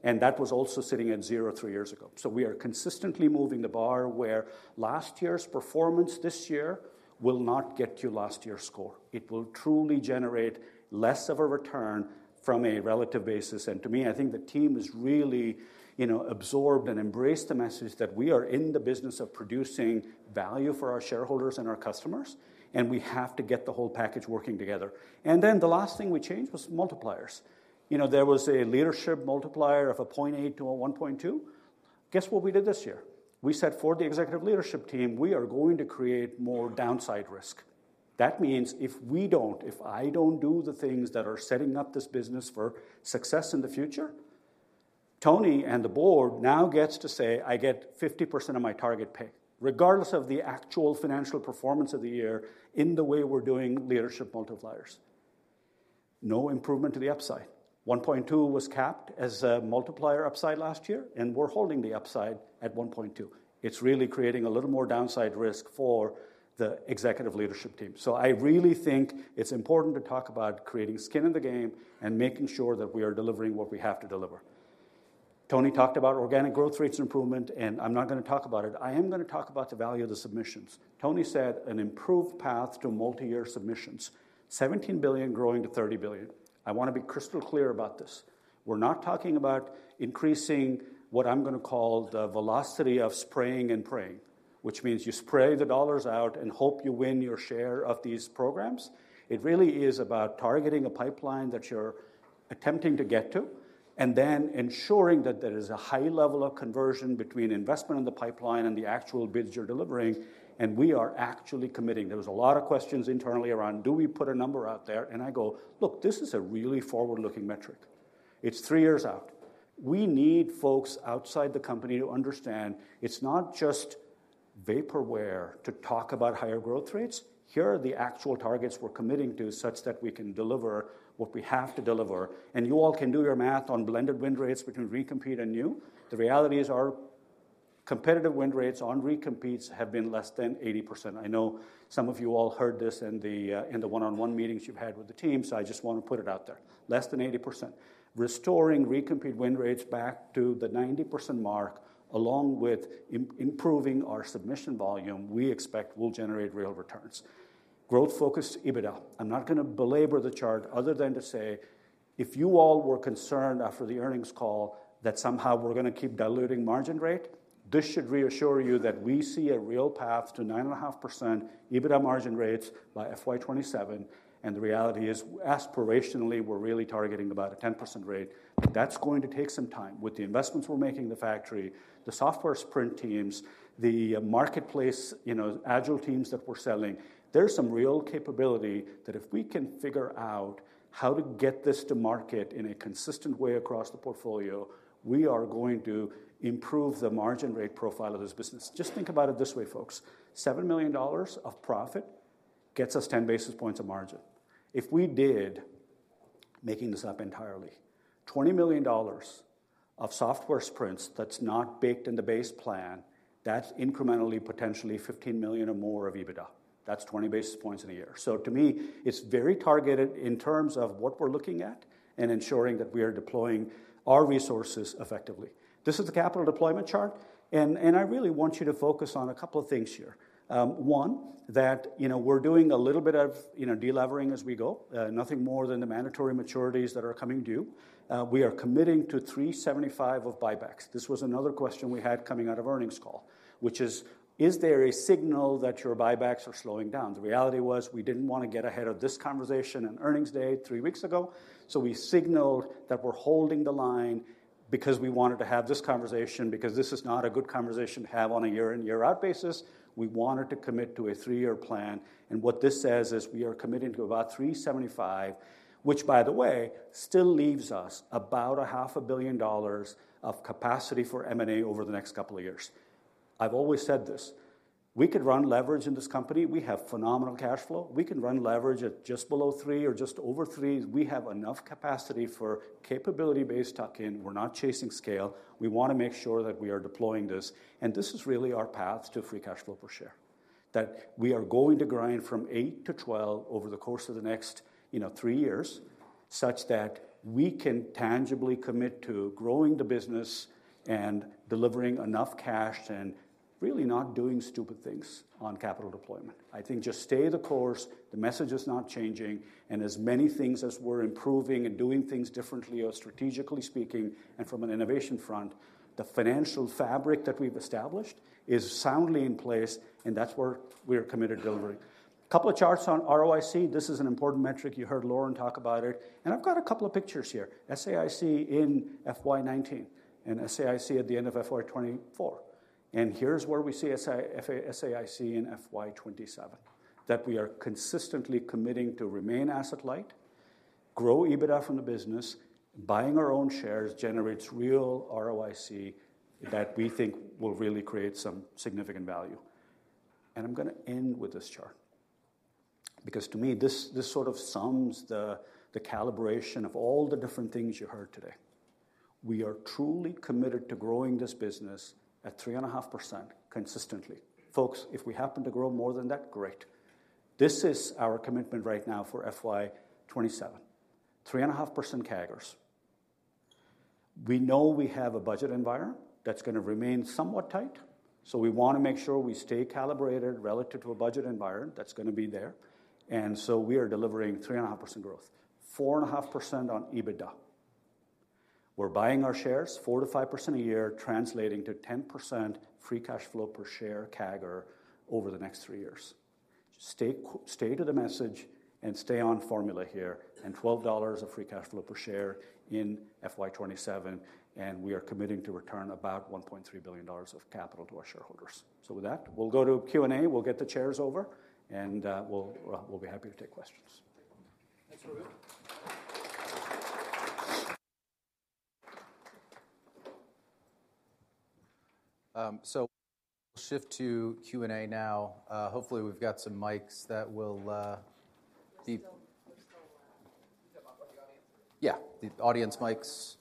S4: And that was also sitting at zero three years ago. So we are consistently moving the bar where last year's performance this year will not get you last year's score. It will truly generate less of a return from a relative basis. And to me, I think the team has really, you know, absorbed and embraced the message that we are in the business of producing value for our shareholders and our customers, and we have to get the whole package working together. And then the last thing we changed was multipliers. You know, there was a leadership multiplier of a 0.8-1.2. Guess what we did this year? We said for the executive leadership team, we are going to create more downside risk. That means if we don't, if I don't do the things that are setting up this business for success in the future, Toni and the board now get to say, "I get 50% of my target pay," regardless of the actual financial performance of the year in the way we're doing leadership multipliers. No improvement to the upside. 1.2 was capped as a multiplier upside last year, and we're holding the upside at 1.2. It's really creating a little more downside risk for the executive leadership team. So I really think it's important to talk about creating skin in the game and making sure that we are delivering what we have to deliver. Toni talked about organic growth rates improvement, and I'm not going to talk about it. I am going to talk about the value of the submissions. Toni said an improved path to multi-year submissions, $17 billion growing to $30 billion. I want to be crystal clear about this. We're not talking about increasing what I'm going to call the velocity of spraying and praying, which means you spray the dollars out and hope you win your share of these programs. It really is about targeting a pipeline that you're attempting to get to and then ensuring that there is a high level of conversion between investment in the pipeline and the actual bids you're delivering. We are actually committing. There was a lot of questions internally around, "Do we put a number out there?" I go, "Look, this is a really forward-looking metric. It's three years out. We need folks outside the company to understand it's not just vaporware to talk about higher growth rates. Here are the actual targets we're committing to such that we can deliver what we have to deliver." You all can do your math on blended win rates between recompete and new. The reality is our competitive win rates on recompetes have been less than 80%. I know some of you all heard this in the one-on-one meetings you've had with the team, so I just want to put it out there. Less than 80%. Restoring recompete win rates back to the 90% mark, along with improving our submission volume, we expect will generate real returns. Growth-focused EBITDA. I'm not going to belabor the chart other than to say, if you all were concerned after the earnings call that somehow we're going to keep diluting margin rate, this should reassure you that we see a real path to 9.5% EBITDA margin rates by FY 2027. The reality is, aspirationally, we're really targeting about a 10% rate. That's going to take some time with the investments we're making in the factory, the software sprint teams, the marketplace, you know, agile teams that we're selling. There's some real capability that if we can figure out how to get this to market in a consistent way across the portfolio, we are going to improve the margin rate profile of this business. Just think about it this way, folks. $7 million of profit gets us 10 basis points of margin. If we did making this up entirely, $20 million of software sprints that's not baked in the base plan, that's incrementally, potentially $15 million or more of EBITDA. That's 20 basis points in a year. So to me, it's very targeted in terms of what we're looking at and ensuring that we are deploying our resources effectively. This is the capital deployment chart. I really want you to focus on a couple of things here. One, that, you know, we're doing a little bit of, you know, delevering as we go, nothing more than the mandatory maturities that are coming due. We are committing to $375 of buybacks. This was another question we had coming out of earnings call, which is, is there a signal that your buybacks are slowing down? The reality was we didn't want to get ahead of this conversation on earnings day three weeks ago. We signaled that we're holding the line because we wanted to have this conversation, because this is not a good conversation to have on a year-in-year-out basis. We wanted to commit to a three-year plan. What this says is we are committing to about $375 million, which, by the way, still leaves us about $500 million of capacity for M&A over the next couple of years. I've always said this. We could run leverage in this company. We have phenomenal cash flow. We can run leverage at just below three or just over three. We have enough capacity for capability-based tuck-in. We're not chasing scale. We want to make sure that we are deploying this. And this is really our path to free cash flow per share, that we are going to grind from $8-$12 over the course of the next, you know, three years such that we can tangibly commit to growing the business and delivering enough cash and really not doing stupid things on capital deployment. I think just stay the course. The message is not changing. As many things as we're improving and doing things differently, strategically speaking, and from an innovation front, the financial fabric that we've established is soundly in place, and that's where we are committed delivering. A couple of charts on ROIC. This is an important metric. You heard Lauren talk about it, and I've got a couple of pictures here. SAIC in FY 2019 and SAIC at the end of FY 2024. Here's where we see SAIC in FY 2027, that we are consistently committing to remain asset-light, grow EBITDA from the business. Buying our own shares generates real ROIC that we think will really create some significant value. I'm going to end with this chart because to me, this sort of sums the calibration of all the different things you heard today. We are truly committed to growing this business at 3.5% consistently. Folks, if we happen to grow more than that, great. This is our commitment right now for FY 2027, 3.5% CAGR. We know we have a budget environment that's going to remain somewhat tight, so we want to make sure we stay calibrated relative to a budget environment that's going to be there. And so we are delivering 3.5% growth, 4.5% on EBITDA. We're buying our shares 4%-5% a year, translating to 10% free cash flow per share CAGR over the next three years. Just stay, stay to the message and stay on formula here and $12 of free cash flow per share in FY 2027. And we are committing to return about $1.3 billion of capital to our shareholders. So with that, we'll go to Q&A. We'll get the chairs over and we'll we'll be happy to take questions.
S1: Thanks, Prabu. So we'll shift to Q&A now. Hopefully, we've got some mics that will be. We're still. You said about what you got answered. Yeah, the audience mics.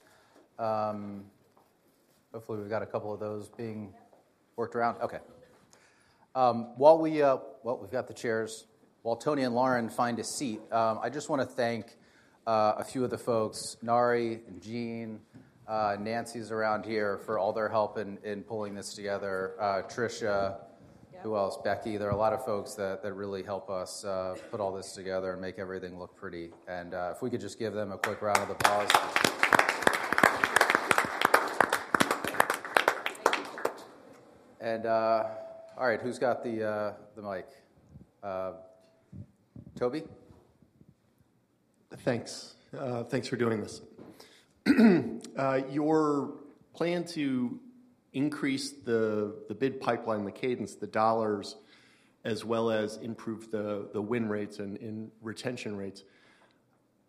S1: Hopefully, we've got a couple of those being worked around. Okay. While we, well, we've got the chairs, while Toni and Lauren find a seat, I just want to thank a few of the folks, Nari and Jeane, Nancy's around here for all their help in pulling this together. Tricia, who else? Becky, there are a lot of folks that really help us put all this together and make everything look pretty. And if we could just give them a quick round of applause. Thank you. And all right, who's got the mic? Tobey.
S5: Thanks. Thanks for doing this. Your plan to increase the bid pipeline, the cadence, the dollars, as well as improve the win rates and retention rates.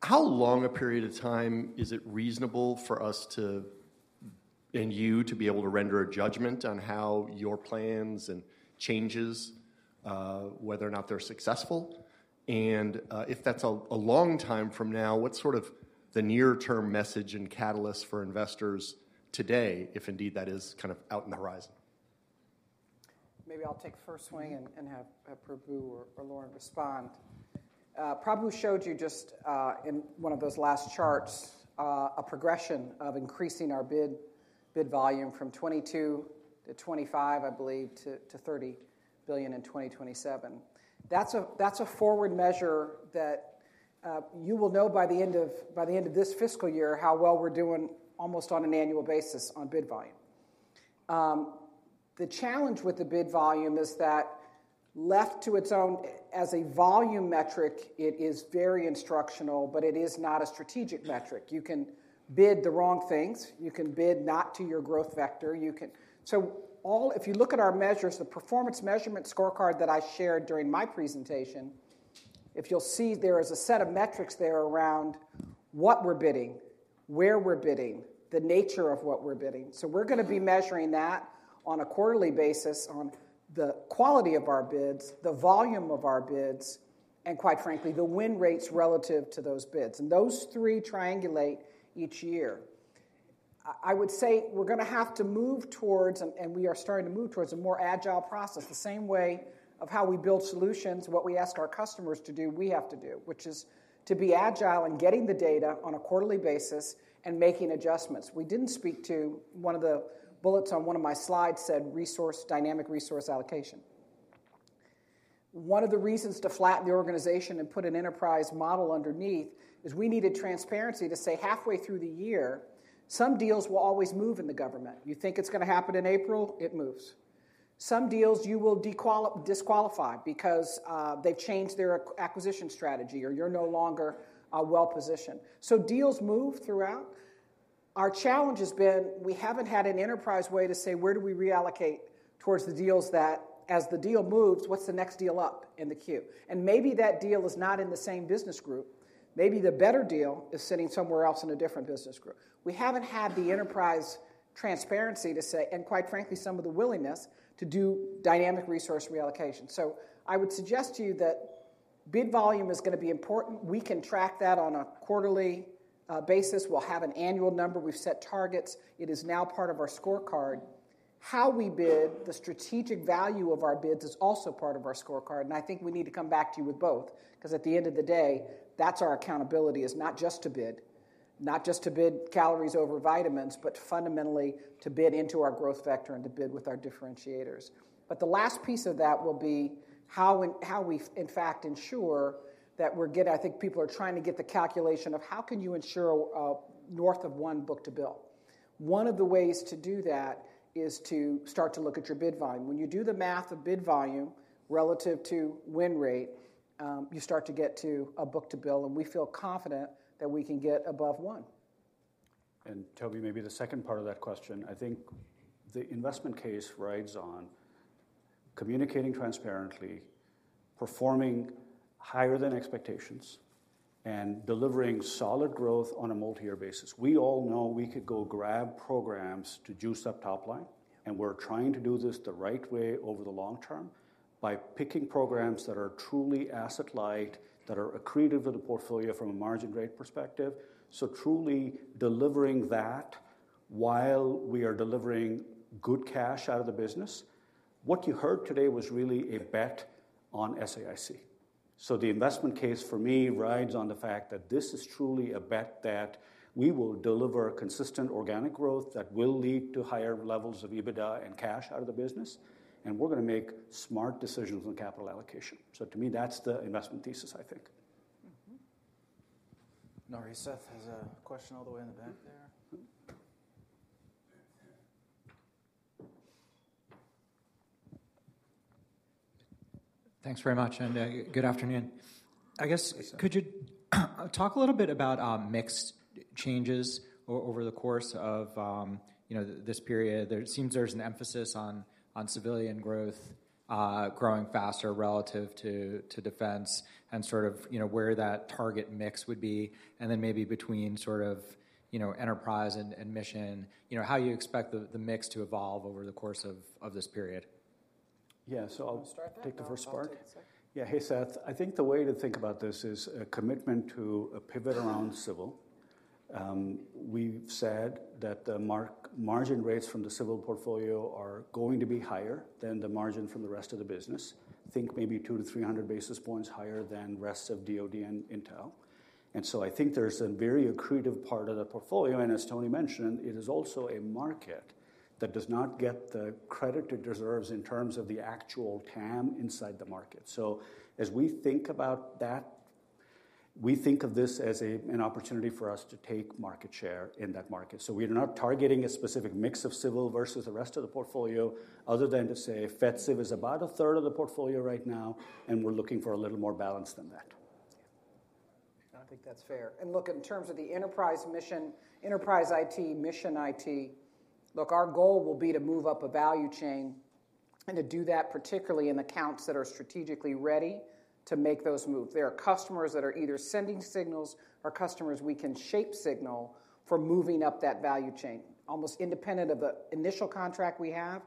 S5: How long a period of time is it reasonable for us to and you to be able to render a judgment on how your plans and changes, whether or not they're successful? And if that's a long time from now, what's sort of the near-term message and catalyst for investors today, if indeed that is kind of out in the horizon?
S2: Maybe I'll take first swing and have Prabu or Lauren respond. Prabu showed you just in one of those last charts a progression of increasing our bid volume from $22 billion to $25 billion, I believe, to $30 billion in 2027. That's a forward measure that you will know by the end of this fiscal year how well we're doing almost on an annual basis on bid volume. The challenge with the bid volume is that left to its own as a volume metric, it is very instructional, but it is not a strategic metric. You can bid the wrong things. You can bid not to your growth vector. You can see all if you look at our measures, the performance measurement scorecard that I shared during my presentation. If you'll see there is a set of metrics there around what we're bidding, where we're bidding, the nature of what we're bidding. So we're going to be measuring that on a quarterly basis on the quality of our bids, the volume of our bids, and quite frankly, the win rates relative to those bids. And those three triangulate each year. I would say we're going to have to move towards and we are starting to move towards a more agile process, the same way of how we build solutions, what we ask our customers to do, we have to do, which is to be agile and getting the data on a quarterly basis and making adjustments. We didn't speak to one of the bullets on one of my slides said resource dynamic resource allocation. One of the reasons to flatten the organization and put an enterprise model underneath is we needed transparency to say halfway through the year, some deals will always move in the government. You think it's going to happen in April? It moves. Some deals you will disqualify because they've changed their acquisition strategy or you're no longer well-positioned. So deals move throughout. Our challenge has been we haven't had an enterprise way to say where do we reallocate towards the deals that as the deal moves, what's the next deal up in the queue? And maybe that deal is not in the same business group. Maybe the better deal is sitting somewhere else in a different business group. We haven't had the enterprise transparency to say, and quite frankly, some of the willingness to do dynamic resource reallocation. So I would suggest to you that bid volume is going to be important. We can track that on a quarterly basis. We'll have an annual number. We've set targets. It is now part of our scorecard. How we bid, the strategic value of our bids is also part of our scorecard. I think we need to come back to you with both because at the end of the day, that's our accountability is not just to bid, not just to bid calories over vitamins, but fundamentally to bid into our growth vector and to bid with our differentiators. But the last piece of that will be how we, in fact, ensure that we're getting. I think people are trying to get the calculation of how can you ensure north of one book-to-bill? One of the ways to do that is to start to look at your bid volume. When you do the math of bid volume relative to win rate, you start to get to a book-to-bill, and we feel confident that we can get above one.
S4: Tobey, maybe the second part of that question, I think the investment case rides on communicating transparently, performing higher than expectations, and delivering solid growth on a multi-year basis. We all know we could go grab programs to juice up topline, and we're trying to do this the right way over the long term by picking programs that are truly asset-light, that are accretive to the portfolio from a margin rate perspective. So truly delivering that while we are delivering good cash out of the business. What you heard today was really a bet on SAIC. So the investment case for me rides on the fact that this is truly a bet that we will deliver consistent organic growth that will lead to higher levels of EBITDA and cash out of the business, and we're going to make smart decisions on capital allocation. So to me, that's the investment thesis, I think.
S1: Seth Seifman has a question all the way in the back there.
S6: Thanks very much and good afternoon. I guess could you talk a little bit about mix changes over the course of, you know, this period? It seems there's an emphasis on civilian growth growing faster relative to defense and sort of, you know, where that target mix would be and then maybe between sort of, you know, enterprise and mission, you know, how you expect the mix to evolve over the course of this period.
S4: Yeah. So I'll take the first part. Yeah. Hey, Seth. I think the way to think about this is a commitment to a pivot around civilian. We've said that the margin rates from the civil portfolio are going to be higher than the margin from the rest of the business, think maybe 200-300 basis points higher than rest of DoD and Intel. And so I think there's a very accretive part of the portfolio. And as Toni mentioned, it is also a market that does not get the credit it deserves in terms of the actual TAM inside the market. So as we think about that, we think of this as an opportunity for us to take market share in that market. So we are not targeting a specific mix of civil versus the rest of the portfolio other than to say FedCiv is about a third of the portfolio right now, and we're looking for a little more balance than that.
S2: Yeah. I think that's fair. Look, in terms of the enterprise, mission, Enterprise IT, Mission IT, look, our goal will be to move up a value chain and to do that particularly in the accounts that are strategically ready to make those moves. There are customers that are either sending signals or customers we can shape signals for moving up that value chain almost independent of the initial contract we have.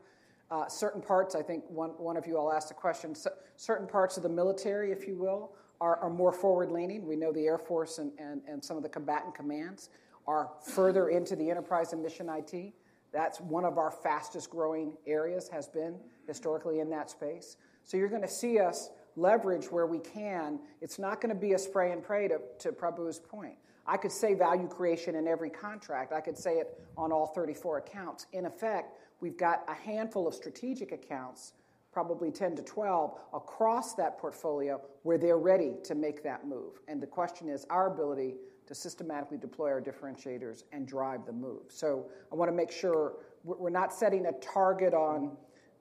S2: Certain parts, I think one of you all asked a question, certain parts of the military, if you will, are more forward-leaning. We know the Air Force and some of the combatant commands are further into the enterprise and mission IT. That's one of our fastest growing areas has been historically in that space. So you're going to see us leverage where we can. It's not going to be a spray and pray. To Prabu's point, I could say value creation in every contract. I could say it on all 34 accounts. In effect, we've got a handful of strategic accounts, probably 10-12 across that portfolio where they're ready to make that move. And the question is our ability to systematically deploy our differentiators and drive the move. So I want to make sure we're not setting a target on,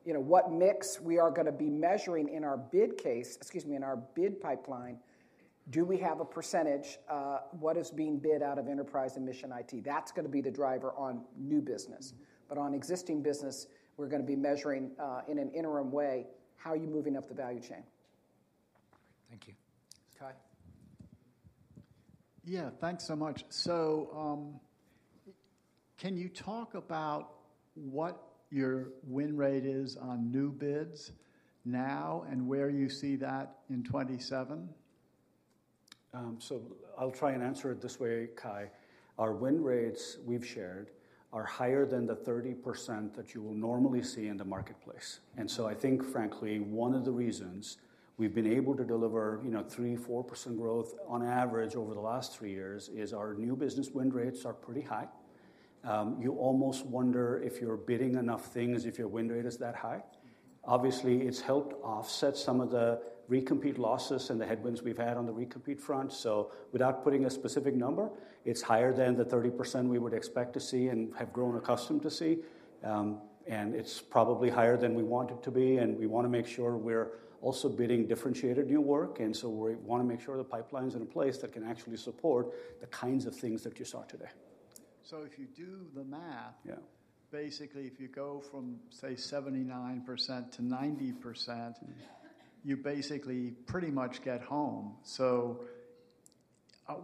S2: you know, what mix we are going to be measuring in our bid case excuse me, in our bid pipeline. Do we have a percentage? What is being bid out of Enterprise IT and Mission IT? That's going to be the driver on new business. But on existing business, we're going to be measuring in an interim way how you're moving up the value chain.
S6: Great. Thank you.
S1: Cai.
S7: Yeah. Thanks so much. So can you talk about what your win rate is on new bids now and where you see that in 2027?
S4: So I'll try and answer it this way, Cai. Our win rates we've shared are higher than the 30% that you will normally see in the marketplace. And so I think, frankly, one of the reasons we've been able to deliver, you know, 3%, 4% growth on average over the last three years is our new business win rates are pretty high. You almost wonder if you're bidding enough things if your win rate is that high. Obviously, it's helped offset some of the recompete losses and the headwinds we've had on the recompete front. So without putting a specific number, it's higher than the 30% we would expect to see and have grown accustomed to see. And it's probably higher than we want it to be. We want to make sure we're also bidding differentiated new work. So we want to make sure the pipeline's in a place that can actually support the kinds of things that you saw today.
S7: So if you do the math, basically, if you go from, say, 79% to 90%, you basically pretty much get home. So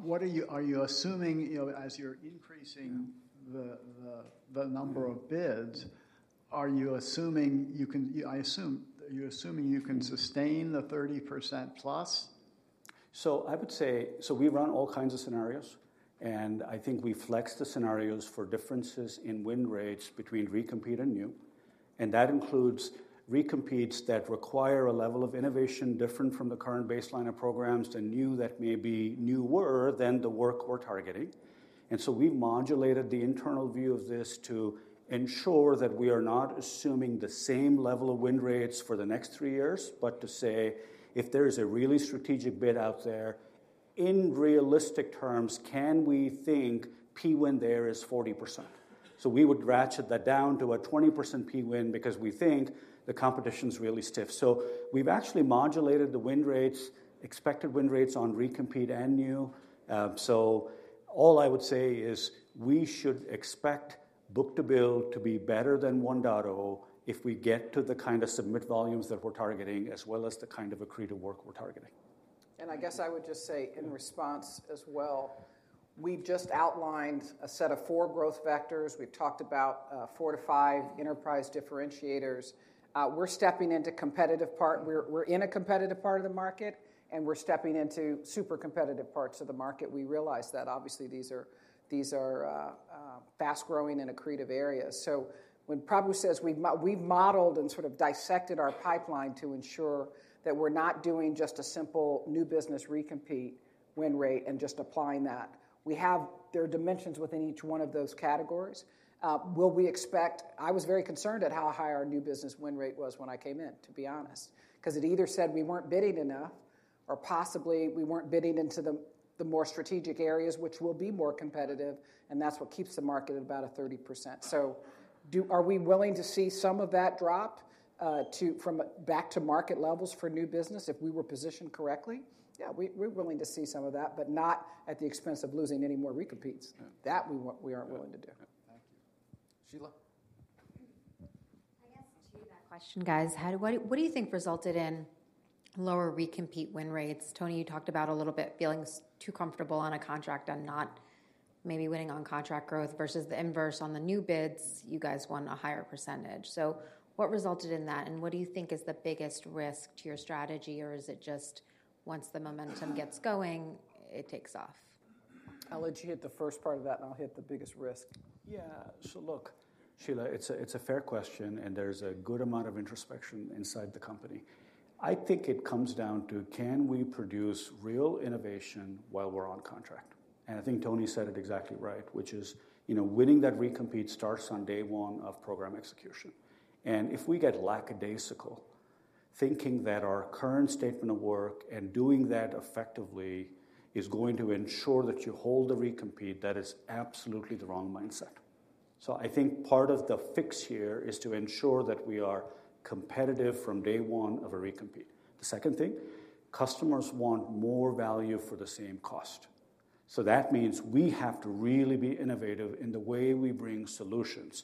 S7: what are you assuming, you know, as you're increasing the number of bids, are you assuming you can? I assume you're assuming you can sustain the 30%+.
S4: So I would say we run all kinds of scenarios. And I think we flex the scenarios for differences in win rates between recompete and new. And that includes recompetes that require a level of innovation different from the current baseline of programs than new that maybe new were than the work we're targeting. We've modulated the internal view of this to ensure that we are not assuming the same level of win rates for the next three years, but to say if there is a really strategic bid out there, in realistic terms, can we think Pwin there is 40%? We would ratchet that down to a 20% Pwin because we think the competition's really stiff. We've actually modulated the win rates, expected win rates on recompete and new. All I would say is we should expect book to bill to be better than 1.0 if we get to the kind of submit volumes that we're targeting as well as the kind of accretive work we're targeting.
S2: I guess I would just say in response as well, we've just outlined a set of four growth vectors. We've talked about four to five enterprise differentiators. We're stepping into competitive part. We're in a competitive part of the market, and we're stepping into super competitive parts of the market. We realize that, obviously, these are fast-growing and accretive areas. So when Prabu says, "We've modeled and sort of dissected our pipeline to ensure that we're not doing just a simple new business recompete win rate and just applying that," we have there are dimensions within each one of those categories. Will we expect I was very concerned at how high our new business win rate was when I came in, to be honest, because it either said we weren't bidding enough or possibly we weren't bidding into the more strategic areas, which will be more competitive, and that's what keeps the market at about 30%. So are we willing to see some of that drop from back to market levels for new business if we were positioned correctly? Yeah, we're willing to see some of that, but not at the expense of losing any more recompetes. That we aren't willing to do.
S7: Thank you.
S1: Sheila.
S8: I guess to that question, guys, what do you think resulted in lower recompete win rates? Toni, you talked about a little bit feeling too comfortable on a contract and not maybe winning on contract growth versus the inverse on the new bids. You guys won a higher percentage. So what resulted in that? And what do you think is the biggest risk to your strategy? Or is it just once the momentum gets going, it takes off?
S2: I'll let you hit the first part of that, and I'll hit the biggest risk. Yeah. So look.
S4: Sheila, it's a fair question, and there's a good amount of introspection inside the company. I think it comes down to can we produce real innovation while we're on contract? And I think Toni said it exactly right, which is, you know, winning that recompete starts on day one of program execution. And if we get lackadaisical thinking that our current statement of work and doing that effectively is going to ensure that you hold a recompete, that is absolutely the wrong mindset. So I think part of the fix here is to ensure that we are competitive from day one of a recompete. The second thing, customers want more value for the same cost. So that means we have to really be innovative in the way we bring solutions.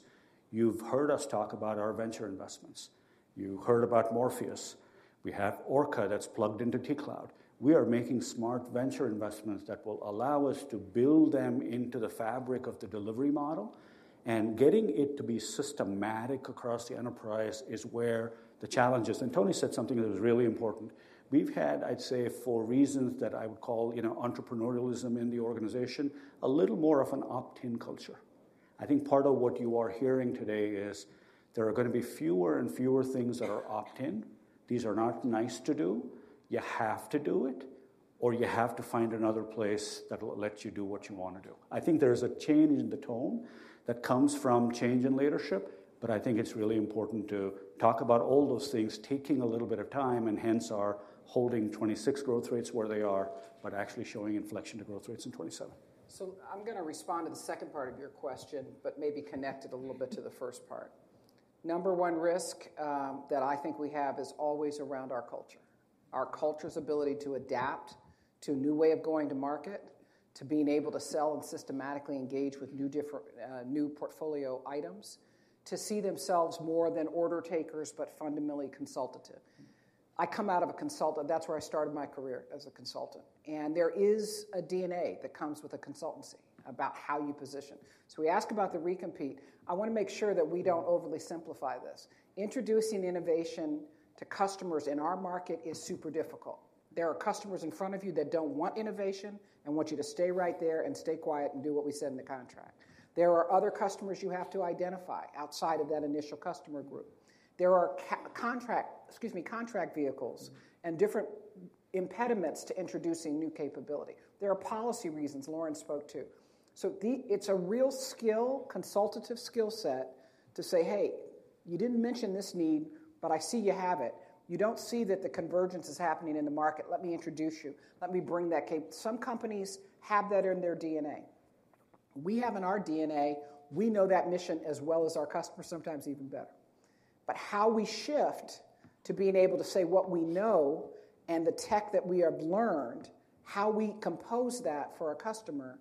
S4: You've heard us talk about our venture investments. You heard about Morpheus. We have Orca that's plugged into T-Cloud. We are making smart venture investments that will allow us to build them into the fabric of the delivery model. Getting it to be systematic across the enterprise is where the challenge is. Toni said something that was really important. We've had, I'd say, for reasons that I would call, you know, entrepreneurialism in the organization, a little more of an opt-in culture. I think part of what you are hearing today is there are going to be fewer and fewer things that are opt-in. These are not nice to do. You have to do it, or you have to find another place that will let you do what you want to do. I think there is a change in the tone that comes from change in leadership. But I think it's really important to talk about all those things, taking a little bit of time and hence our holding 2026 growth rates where they are, but actually showing inflection to growth rates in 2027.
S2: So I'm going to respond to the second part of your question, but maybe connect it a little bit to the first part. Number one risk that I think we have is always around our culture, our culture's ability to adapt to a new way of going to market, to being able to sell and systematically engage with new portfolio items, to see themselves more than order takers but fundamentally consultative. I come out of a consultant. That's where I started my career as a consultant. And there is a DNA that comes with a consultancy about how you position. So we ask about the recompete. I want to make sure that we don't overly simplify this. Introducing innovation to customers in our market is super difficult. There are customers in front of you that don't want innovation and want you to stay right there and stay quiet and do what we said in the contract. There are other customers you have to identify outside of that initial customer group. There are contract excuse me, contract vehicles and different impediments to introducing new capability. There are policy reasons Lauren spoke to. So it's a real skill, consultative skill set to say, "Hey, you didn't mention this need, but I see you have it. You don't see that the convergence is happening in the market. Let me introduce you. Let me bring that capability." Some companies have that in their DNA. We have in our DNA. We know that mission as well as our customers sometimes even better. But how we shift to being able to say what we know and the tech that we have learned, how we compose that for our customer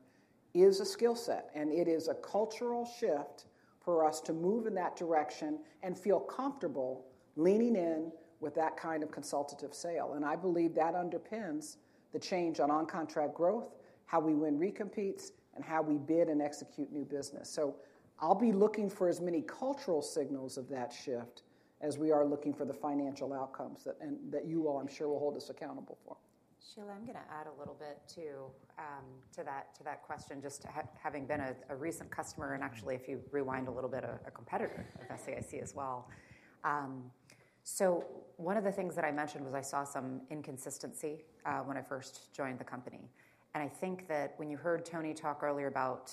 S2: is a skill set. And it is a cultural shift for us to move in that direction and feel comfortable leaning in with that kind of consultative sale. And I believe that underpins the change on-contract growth, how we win recompetes, and how we bid and execute new business. So I'll be looking for as many cultural signals of that shift as we are looking for the financial outcomes that you all, I'm sure, will hold us accountable for.
S3: Sheila, I'm going to add a little bit to that question, just having been a recent customer and actually, if you rewind a little bit, a competitor of SAIC as well. So one of the things that I mentioned was I saw some inconsistency when I first joined the company. And I think that when you heard Toni talk earlier about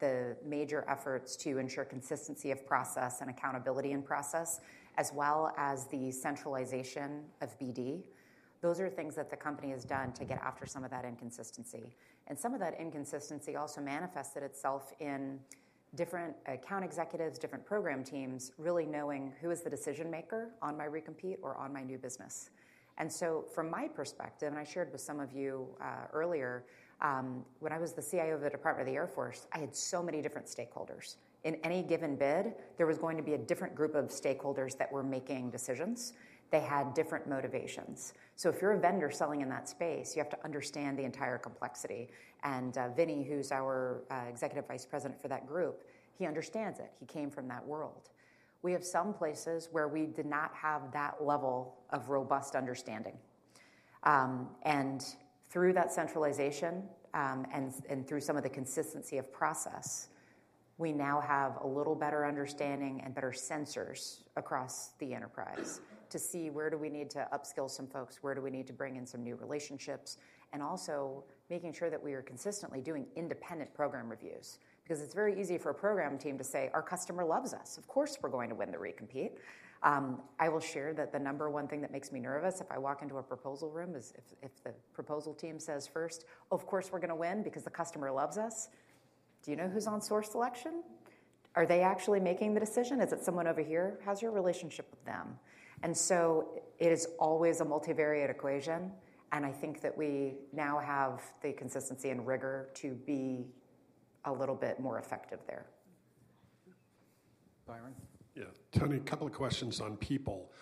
S3: the major efforts to ensure consistency of process and accountability in process as well as the centralization of BD, those are things that the company has done to get after some of that inconsistency. And some of that inconsistency also manifested itself in different account executives, different program teams really knowing who is the decision maker on my recompete or on my new business. And so from my perspective, and I shared with some of you earlier, when I was the CIO of the Department of the Air Force, I had so many different stakeholders. In any given bid, there was going to be a different group of stakeholders that were making decisions. They had different motivations. So if you're a vendor selling in that space, you have to understand the entire complexity. Vinnie, who's our Executive Vice President for that group, he understands it. He came from that world. We have some places where we did not have that level of robust understanding. And through that centralization and through some of the consistency of process, we now have a little better understanding and better sensors across the enterprise to see where do we need to upskill some folks, where do we need to bring in some new relationships, and also making sure that we are consistently doing independent program reviews because it's very easy for a program team to say, "Our customer loves us. Of course, we're going to win the recompete." I will share that the number one thing that makes me nervous if I walk into a proposal room is if the proposal team says first, "Of course, we're going to win because the customer loves us." Do you know who's on source selection? Are they actually making the decision? Is it someone over here? How's your relationship with them? And so it is always a multivariate equation. And I think that we now have the consistency and rigor to be a little bit more effective there.
S1: Byron.
S9: Yeah. Toni, a couple of questions on people.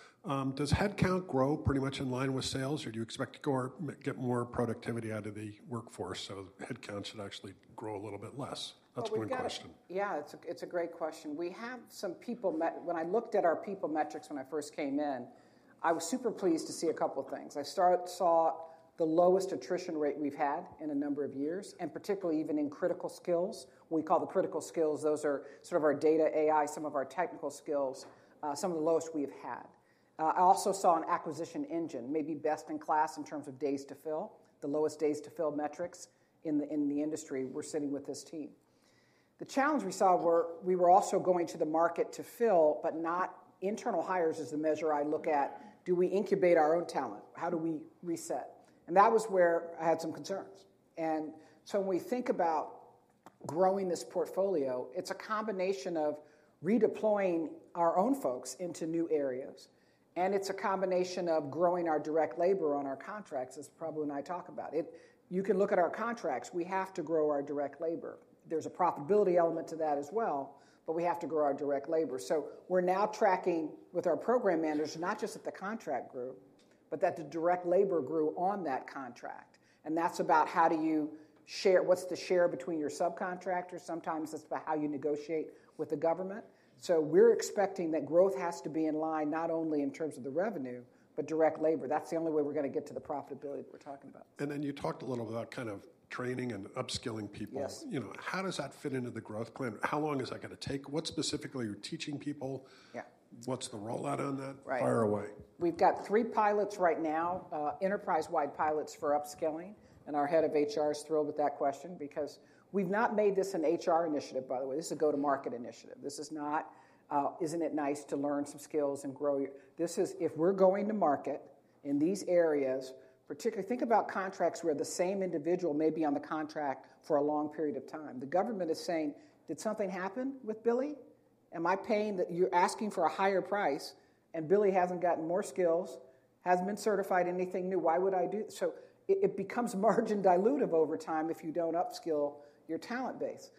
S9: Does headcount grow pretty much in line with sales, or do you expect to get more productivity out of the workforce? So headcount should actually grow a little bit less. That's one question.
S2: Yeah, it's a great question. When I looked at our people metrics when I first came in, I was super pleased to see a couple of things. I saw the lowest attrition rate we've had in a number of years, and particularly even in critical skills. We call the critical skills those are sort of our data, AI, some of our technical skills, some of the lowest we have had. I also saw an acquisition engine, maybe best in class in terms of days to fill, the lowest days to fill metrics in the industry we're sitting with this team. The challenge we saw were we were also going to the market to fill, but not internal hires as the measure I look at. Do we incubate our own talent? How do we reset? That was where I had some concerns. When we think about growing this portfolio, it's a combination of redeploying our own folks into new areas. It's a combination of growing our direct labor on our contracts, as Prabu and I talk about. You can look at our contracts. We have to grow our direct labor. There's a profitability element to that as well, but we have to grow our direct labor. So we're now tracking with our program managers, not just at the contract group, but that the direct labor grew on that contract. And that's about how do you share what's the share between your subcontractors? Sometimes it's about how you negotiate with the government. So we're expecting that growth has to be in line not only in terms of the revenue but direct labor. That's the only way we're going to get to the profitability that we're talking about.
S9: And then you talked a little bit about kind of training and upskilling people.
S2: Yes.
S9: You know, how does that fit into the growth plan? How long is that going to take? What specifically are you teaching people? What's the rollout on that? Fire away.
S2: We've got three pilots right now, enterprise-wide pilots for upskilling. Our head of HR is thrilled with that question because we've not made this an HR initiative, by the way. This is a go-to-market initiative. This is not, "Isn't it nice to learn some skills and grow your " this is if we're going to market in these areas, particularly think about contracts where the same individual may be on the contract for a long period of time. The government is saying, "Did something happen with Billy? “Am I paying that you're asking for a higher price, and Billy hasn't gotten more skills, hasn't been certified anything new? Why would I do so?” It becomes margin dilutive over time if you don't upskill your talent base.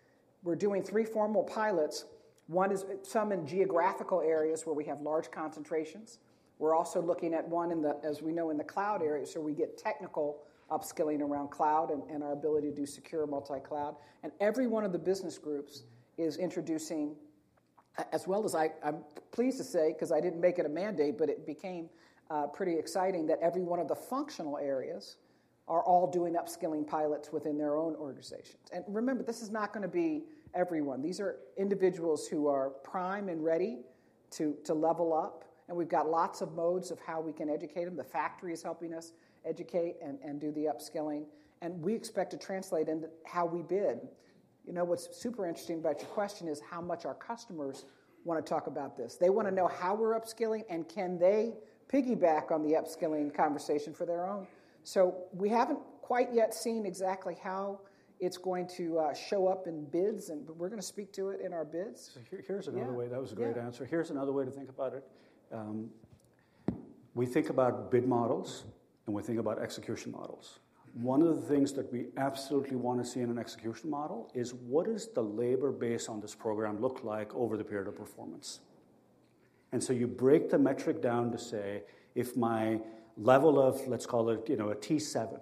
S2: We're doing three formal pilots. One is some in geographical areas where we have large concentrations. We're also looking at one in the, as we know, in the cloud area. So we get technical upskilling around cloud and our ability to do secure multi-cloud. And every one of the business groups is introducing, as well as I'm pleased to say because I didn't make it a mandate, but it became pretty exciting that every one of the functional areas are all doing upskilling pilots within their own organizations. And remember, this is not going to be everyone. These are individuals who are prime and ready to level up. We've got lots of modes of how we can educate them. The factory is helping us educate and do the upskilling. We expect to translate into how we bid. You know, what's super interesting about your question is how much our customers want to talk about this. They want to know how we're upskilling, and can they piggyback on the upskilling conversation for their own? We haven't quite yet seen exactly how it's going to show up in bids, but we're going to speak to it in our bids.
S9: Here's another way. That was a great answer. Here's another way to think about it. We think about bid models, and we think about execution models. One of the things that we absolutely want to see in an execution model is what does the labor base on this program look like over the period of performance?
S4: And so you break the metric down to say, "If my level of, let's call it, you know, a T7,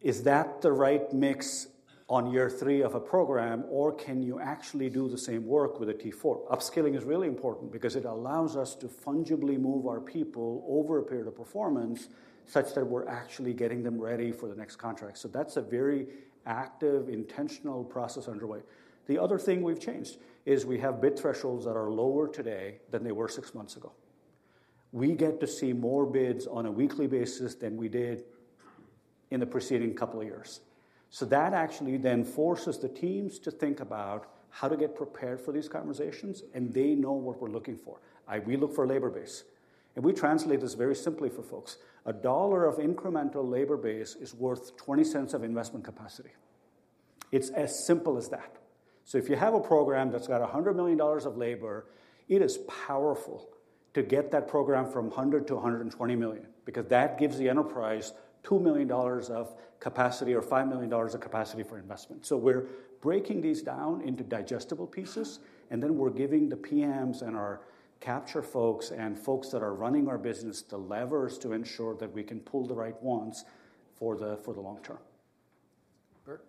S4: is that the right mix on year three of a program, or can you actually do the same work with a T4?" Upskilling is really important because it allows us to fungibly move our people over a period of performance such that we're actually getting them ready for the next contract. So that's a very active, intentional process underway. The other thing we've changed is we have bid thresholds that are lower today than they were six months ago. We get to see more bids on a weekly basis than we did in the preceding couple of years. So that actually then forces the teams to think about how to get prepared for these conversations. And they know what we're looking for. We look for a labor base. And we translate this very simply for folks. A dollar of incremental labor base is worth $0.20 of investment capacity. It's as simple as that. So if you have a program that's got $100 million of labor, it is powerful to get that program from $100 million-$120 million because that gives the enterprise $2 million of capacity or $5 million of capacity for investment. So we're breaking these down into digestible pieces. And then we're giving the PMs and our capture folks and folks that are running our business the levers to ensure that we can pull the right ones for the long term.
S1: Bert.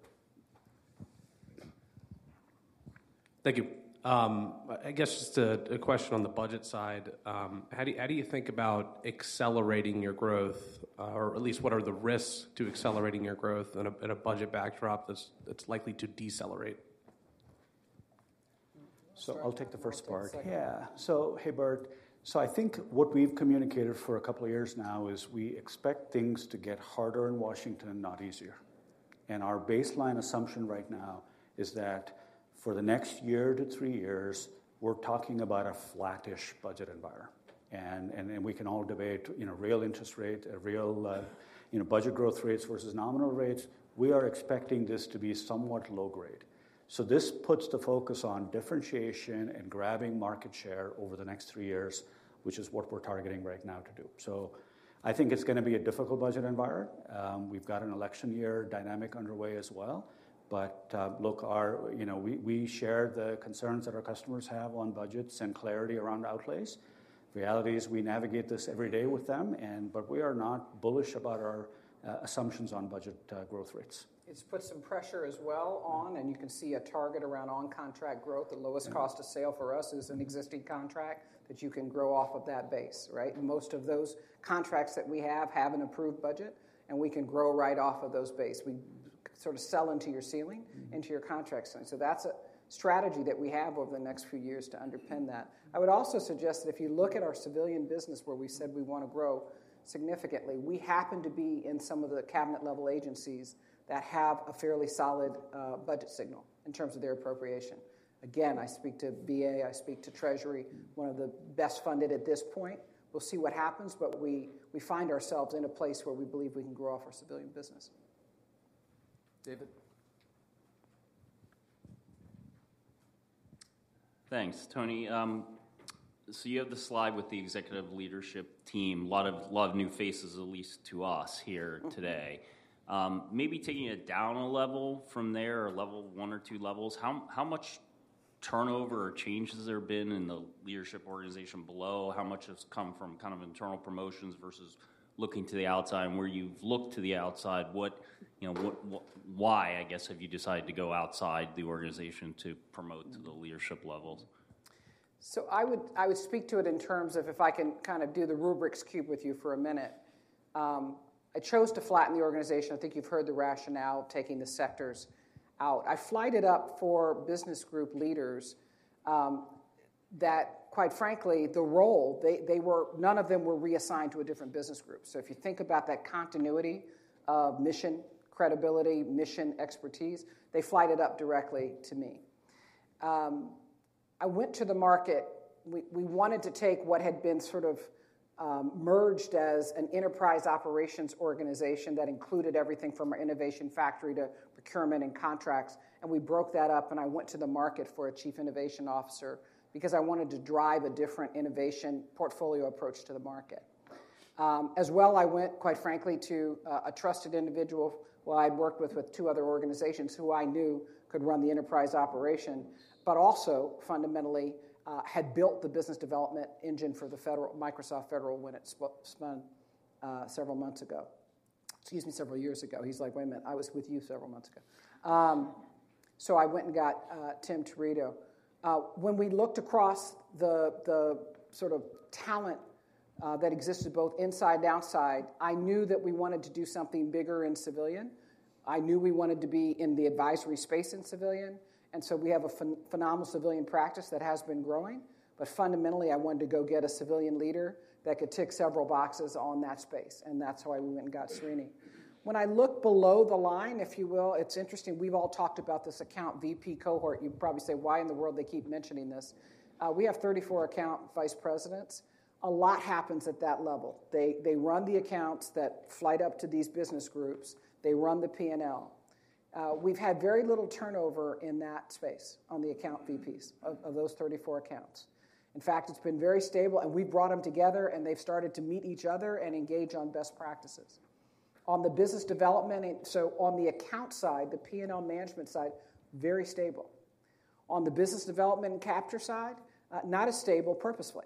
S10: Thank you. I guess just a question on the budget side. How do you think about accelerating your growth, or at least what are the risks to accelerating your growth in a budget backdrop that's likely to decelerate?
S4: So I'll take the first part. Yeah. So, hey, Bert. So I think what we've communicated for a couple of years now is we expect things to get harder in Washington, not easier. Our baseline assumption right now is that for the next year to three years, we're talking about a flattish budget environment. We can all debate, you know, real interest rate, real, you know, budget growth rates versus nominal rates. We are expecting this to be somewhat low-grade. So this puts the focus on differentiation and grabbing market share over the next three years, which is what we're targeting right now to do. So I think it's going to be a difficult budget environment. We've got an election year dynamic underway as well. But look, our, you know, we share the concerns that our customers have on budgets and clarity around outlays. Reality is we navigate this every day with them, but we are not bullish about our assumptions on budget growth rates.
S2: It's put some pressure as well on. You can see a target around on-contract growth. The lowest cost of sale for us is an existing contract that you can grow off of that base, right? Most of those contracts that we have have an approved budget, and we can grow right off of those base. We sort of sell into your ceiling, into your contract ceiling. So that's a strategy that we have over the next few years to underpin that. I would also suggest that if you look at our civilian business where we said we want to grow significantly, we happen to be in some of the cabinet-level agencies that have a fairly solid budget signal in terms of their appropriation. Again, I speak to VA. I speak to Treasury, one of the best funded at this point. We'll see what happens, but we find ourselves in a place where we believe we can grow off our civilian business.
S1: David.
S11: Thanks, Toni. So you have the slide with the executive leadership team. A lot of new faces, at least to us here today. Maybe taking it down a level from there, one or two levels, how much turnover or change has there been in the leadership organization below? How much has come from kind of internal promotions versus looking to the outside? And where you've looked to the outside, what, you know, why, I guess, have you decided to go outside the organization to promote to the leadership levels?
S2: So I would speak to it in terms of if I can kind of do the Rubik's Cube with you for a minute. I chose to flatten the organization. I think you've heard the rationale of taking the sectors out. I elevated the business group leaders that, quite frankly, the role, they were none of them were reassigned to a different business group. So if you think about that continuity of mission, credibility, mission, expertise, they elevated directly to me. I went to the market. We wanted to take what had been sort of merged as an enterprise operations organization that included everything from our innovation factory to procurement and contracts. And we broke that up. And I went to the market for a Chief Innovation Officer because I wanted to drive a different innovation portfolio approach to the market. As well, I went, quite frankly, to a trusted individual who I had worked with with two other organizations who I knew could run the enterprise operation, but also fundamentally had built the business development engine for the federal Microsoft Federal when it spun several months ago. Excuse me, several years ago. He's like, "Wait a minute. I was with you several months ago." So I went and got Tim Turitto. When we looked across the sort of talent that existed both inside and outside, I knew that we wanted to do something bigger in civilian. I knew we wanted to be in the advisory space in civilian. And so we have a phenomenal civilian practice that has been growing. But fundamentally, I wanted to go get a civilian leader that could tick several boxes on that space. And that's how I went and got Srini. When I look below the line, if you will, it's interesting. We've all talked about this account VP cohort. You probably say, "Why in the world they keep mentioning this?" We have 34 account vice presidents. A lot happens at that level. They run the accounts that flight up to these business groups. They run the P&L. We've had very little turnover in that space on the account VPs of those 34 accounts. In fact, it's been very stable. We brought them together, and they've started to meet each other and engage on best practices. On the business development, so on the account side, the P&L management side, very stable. On the business development and capture side, not as stable purposely.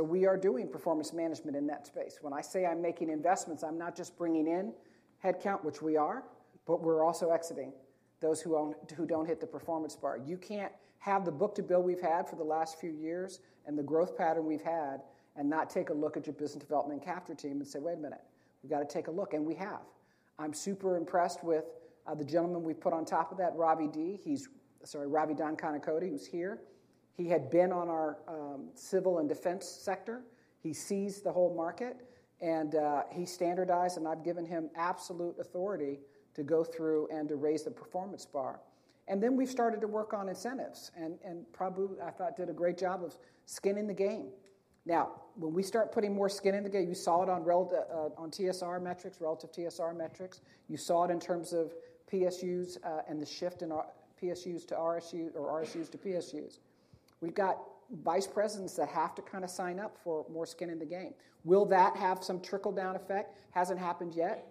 S2: We are doing performance management in that space. When I say I'm making investments, I'm not just bringing in headcount, which we are, but we're also exiting those who don't hit the performance bar. You can't have the book-to-bill we've had for the last few years and the growth pattern we've had and not take a look at your business development and capture team and say, "Wait a minute. We've got to take a look." And we have. I'm super impressed with the gentleman we've put on top of that, Ravi D. He's sorry, Ravi Dankanikote, who's here. He had been on our civil and defense sector. He sees the whole market. And he standardized. And I've given him absolute authority to go through and to raise the performance bar. And then we've started to work on incentives. And Prabu, I thought, did a great job of skin in the game. Now, when we start putting more skin in the game, you saw it on TSR metrics, relative TSR metrics. You saw it in terms of PSUs and the shift in PSUs to RSUs or RSUs to PSUs. We've got vice presidents that have to kind of sign up for more skin in the game. Will that have some trickle-down effect? Hasn't happened yet.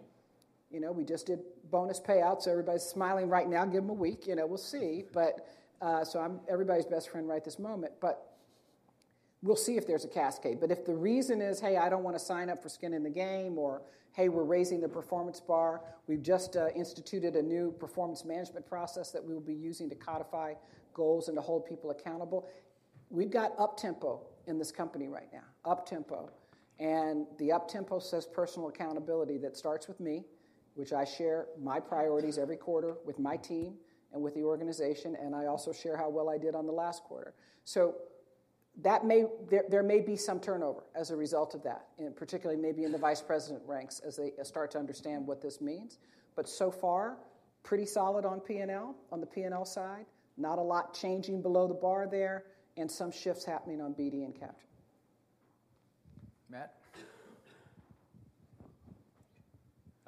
S2: You know, we just did bonus payouts. Everybody's smiling right now. Give them a week. You know, we'll see. But so I'm everybody's best friend right this moment. But we'll see if there's a cascade. But if the reason is, "Hey, I don't want to sign up for skin in the game," or, "Hey, we're raising the performance bar. We've just instituted a new performance management process that we will be using to codify goals and to hold people accountable. We've got uptempo in this company right now, uptempo. And the uptempo says personal accountability that starts with me, which I share my priorities every quarter with my team and with the organization. And I also share how well I did on the last quarter. So there may be some turnover as a result of that, particularly maybe in the vice president ranks as they start to understand what this means. But so far, pretty solid on P&L, on the P&L side, not a lot changing below the bar there, and some shifts happening on BD and capture.
S1: Matt.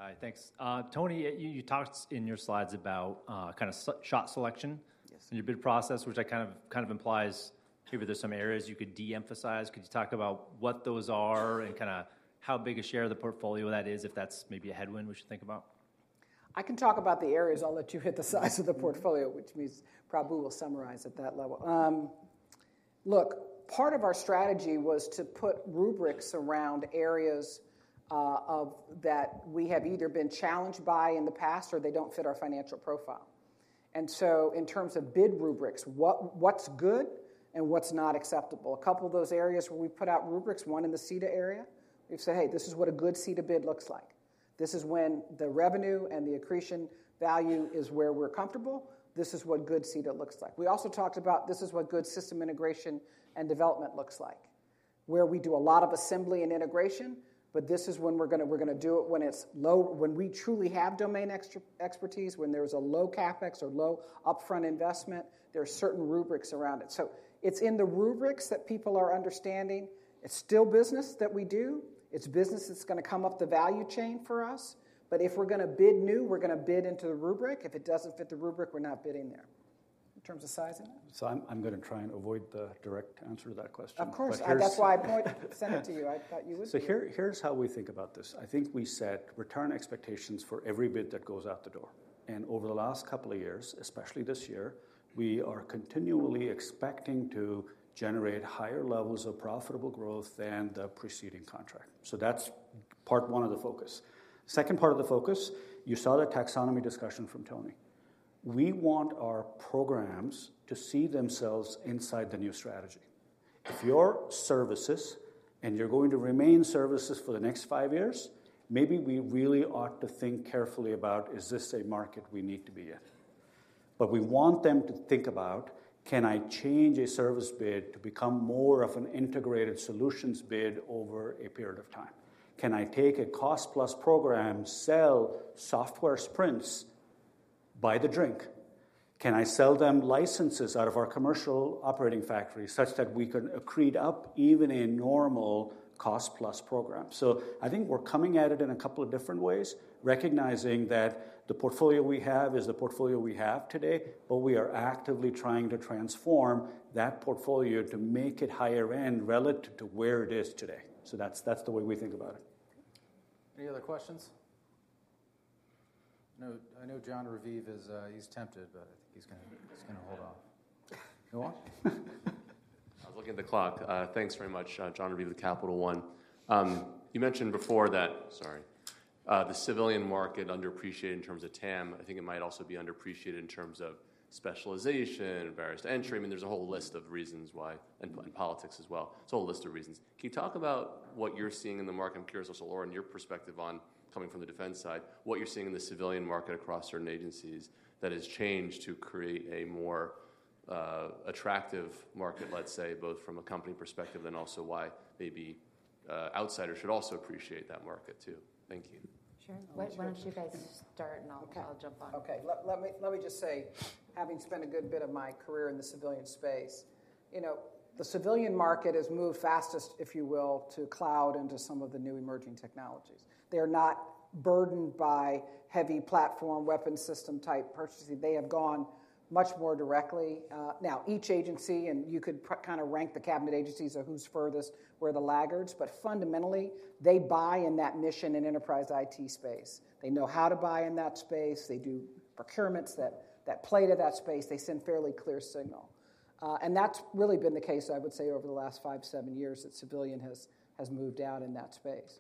S12: Hi. Thanks. Toni, you talked in your slides about kind of shot selection in your bid process, which I kind of implies maybe there's some areas you could de-emphasize. Could you talk about what those are and kind of how big a share of the portfolio that is, if that's maybe a headwind we should think about?
S2: I can talk about the areas. I'll let you hit the size of the portfolio, which means Prabu will summarize at that level. Look, part of our strategy was to put rubrics around areas that we have either been challenged by in the past or they don't fit our financial profile. And so in terms of bid rubrics, what's good and what's not acceptable? A couple of those areas where we've put out rubrics, one in the SETA area, we've said, "Hey, this is what a good SETA bid looks like. This is when the revenue and the accretion value is where we're comfortable. This is what good CETA looks like." We also talked about, "This is what good system integration and development looks like," where we do a lot of assembly and integration. But this is when we're going to do it when it's low, when we truly have domain expertise, when there's a low CapEx or low upfront investment. There are certain rubrics around it. So it's in the rubrics that people are understanding. It's still business that we do. It's business that's going to come up the value chain for us. But if we're going to bid new, we're going to bid into the rubric. If it doesn't fit the rubric, we're not bidding there. In terms of sizing that. So I'm going to try and avoid the direct answer to that question. Of course. That's why I sent it to you. I thought you would.
S4: So here's how we think about this. I think we set return expectations for every bid that goes out the door. And over the last couple of years, especially this year, we are continually expecting to generate higher levels of profitable growth than the preceding contract. So that's part one of the focus. Second part of the focus, you saw the taxonomy discussion from Toni. We want our programs to see themselves inside the new strategy. If you're services and you're going to remain services for the next five years, maybe we really ought to think carefully about, "Is this a market we need to be in?" But we want them to think about, "Can I change a service bid to become more of an integrated solutions bid over a period of time? Can I take a cost-plus program, sell software sprints by the drink? Can I sell them licenses out of our commercial operating factory such that we can accrete up even a normal cost-plus program?" So I think we're coming at it in a couple of different ways, recognizing that the portfolio we have is the portfolio we have today, but we are actively trying to transform that portfolio to make it higher-end relative to where it is today. So that's the way we think about it.
S1: Any other questions?
S4: I know Jon Raviv is tempted, but I think he's going to hold off.
S1: You want?
S13: I was looking at the clock. Thanks very much, Jon Raviv of Capital One. You mentioned before that sorry, the civilian market underappreciated in terms of TAM. I think it might also be underappreciated in terms of specialization, various entry. I mean, there's a whole list of reasons why and politics as well. It's a whole list of reasons. Can you talk about what you're seeing in the market? I'm curious, also, Lauren, your perspective on coming from the defense side, what you're seeing in the civilian market across certain agencies that has changed to create a more attractive market, let's say, both from a company perspective and also why maybe outsiders should also appreciate that market too? Thank you.
S3: Sure. Why don't you guys start, and I'll jump on?
S2: Okay. Let me just say, having spent a good bit of my career in the civilian space, you know, the civilian market has moved fastest, if you will, to cloud and to some of the new emerging technologies. They are not burdened by heavy platform weapon system type purchases. They have gone much more directly. Now, each agency, and you could kind of rank the cabinet agencies of who's furthest, where the laggards, but fundamentally, they buy in that mission and enterprise IT space. They know how to buy in that space. They do procurements that play to that space. They send fairly clear signal. And that's really been the case, I would say, over the last five to seven years that civilian has moved out in that space.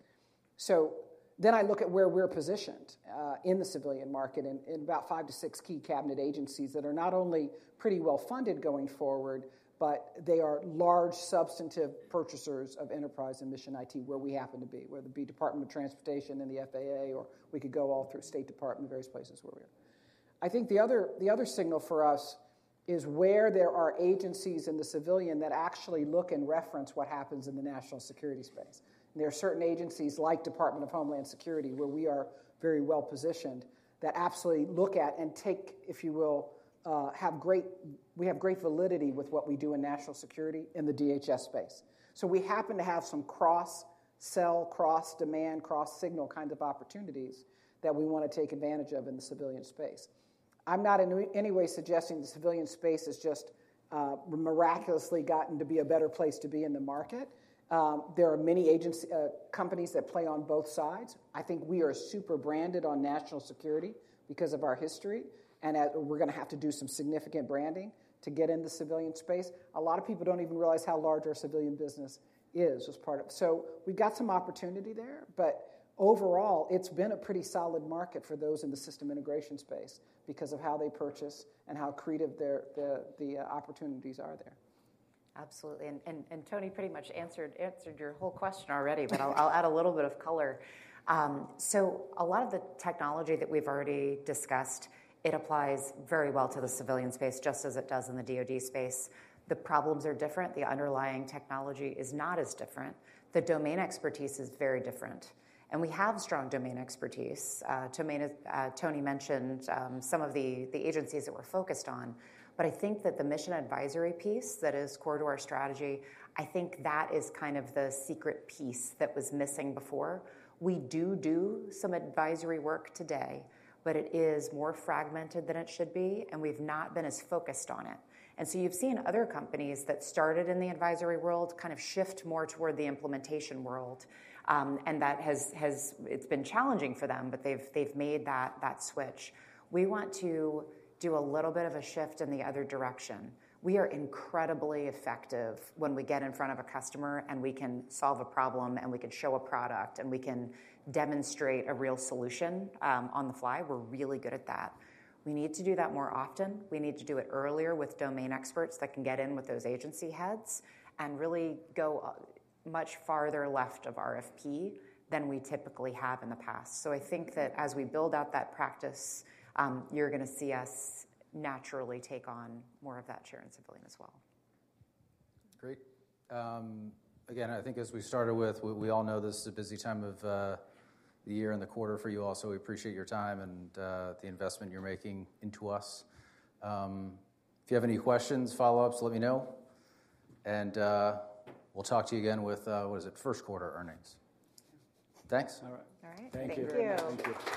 S2: So then I look at where we're positioned in the civilian market in about five to six key cabinet agencies that are not only pretty well-funded going forward, but they are large substantive purchasers of enterprise and mission IT where we happen to be, whether it be Department of Transportation and the FAA, or we could go all through State Department, various places where we are. I think the other signal for us is where there are agencies in the civilian that actually look and reference what happens in the national security space. And there are certain agencies like Department of Homeland Security where we are very well-positioned that absolutely look at and take, if you will, we have great validity with what we do in national security in the DHS space. So we happen to have some cross-sell, cross-demand, cross-signal kinds of opportunities that we want to take advantage of in the civilian space. I'm not in any way suggesting the civilian space has just miraculously gotten to be a better place to be in the market. There are many companies that play on both sides. I think we are super branded on national security because of our history. We're going to have to do some significant branding to get in the civilian space. A lot of people don't even realize how large our civilian business is as part of SAIC, so we've got some opportunity there. But overall, it's been a pretty solid market for those in the system integration space because of how they purchase and how creative the opportunities are there.
S3: Absolutely. Toni pretty much answered your whole question already, but I'll add a little bit of color. A lot of the technology that we've already discussed applies very well to the civilian space just as it does in the DOD space. The problems are different. The underlying technology is not as different. The domain expertise is very different. We have strong domain expertise. Toni mentioned some of the agencies that we're focused on. But I think that the mission advisory piece that is core to our strategy, I think that is kind of the secret piece that was missing before. We do do some advisory work today, but it is more fragmented than it should be. And we've not been as focused on it. And so you've seen other companies that started in the advisory world kind of shift more toward the implementation world. And it's been challenging for them, but they've made that switch. We want to do a little bit of a shift in the other direction. We are incredibly effective when we get in front of a customer, and we can solve a problem, and we can show a product, and we can demonstrate a real solution on the fly. We're really good at that. We need to do that more often. We need to do it earlier with domain experts that can get in with those agency heads and really go much farther left of RFP than we typically have in the past. I think that as we build out that practice, you're going to see us naturally take on more of that share in civilian as well.
S4: Great. Again, I think as we started with, we all know this is a busy time of the year and the quarter for you also. We appreciate your time and the investment you're making into us. If you have any questions, follow-ups, let me know. We'll talk to you again with, what is it, first quarter earnings. Thanks. All right.
S2: All right. Thank you.
S4: Thank you.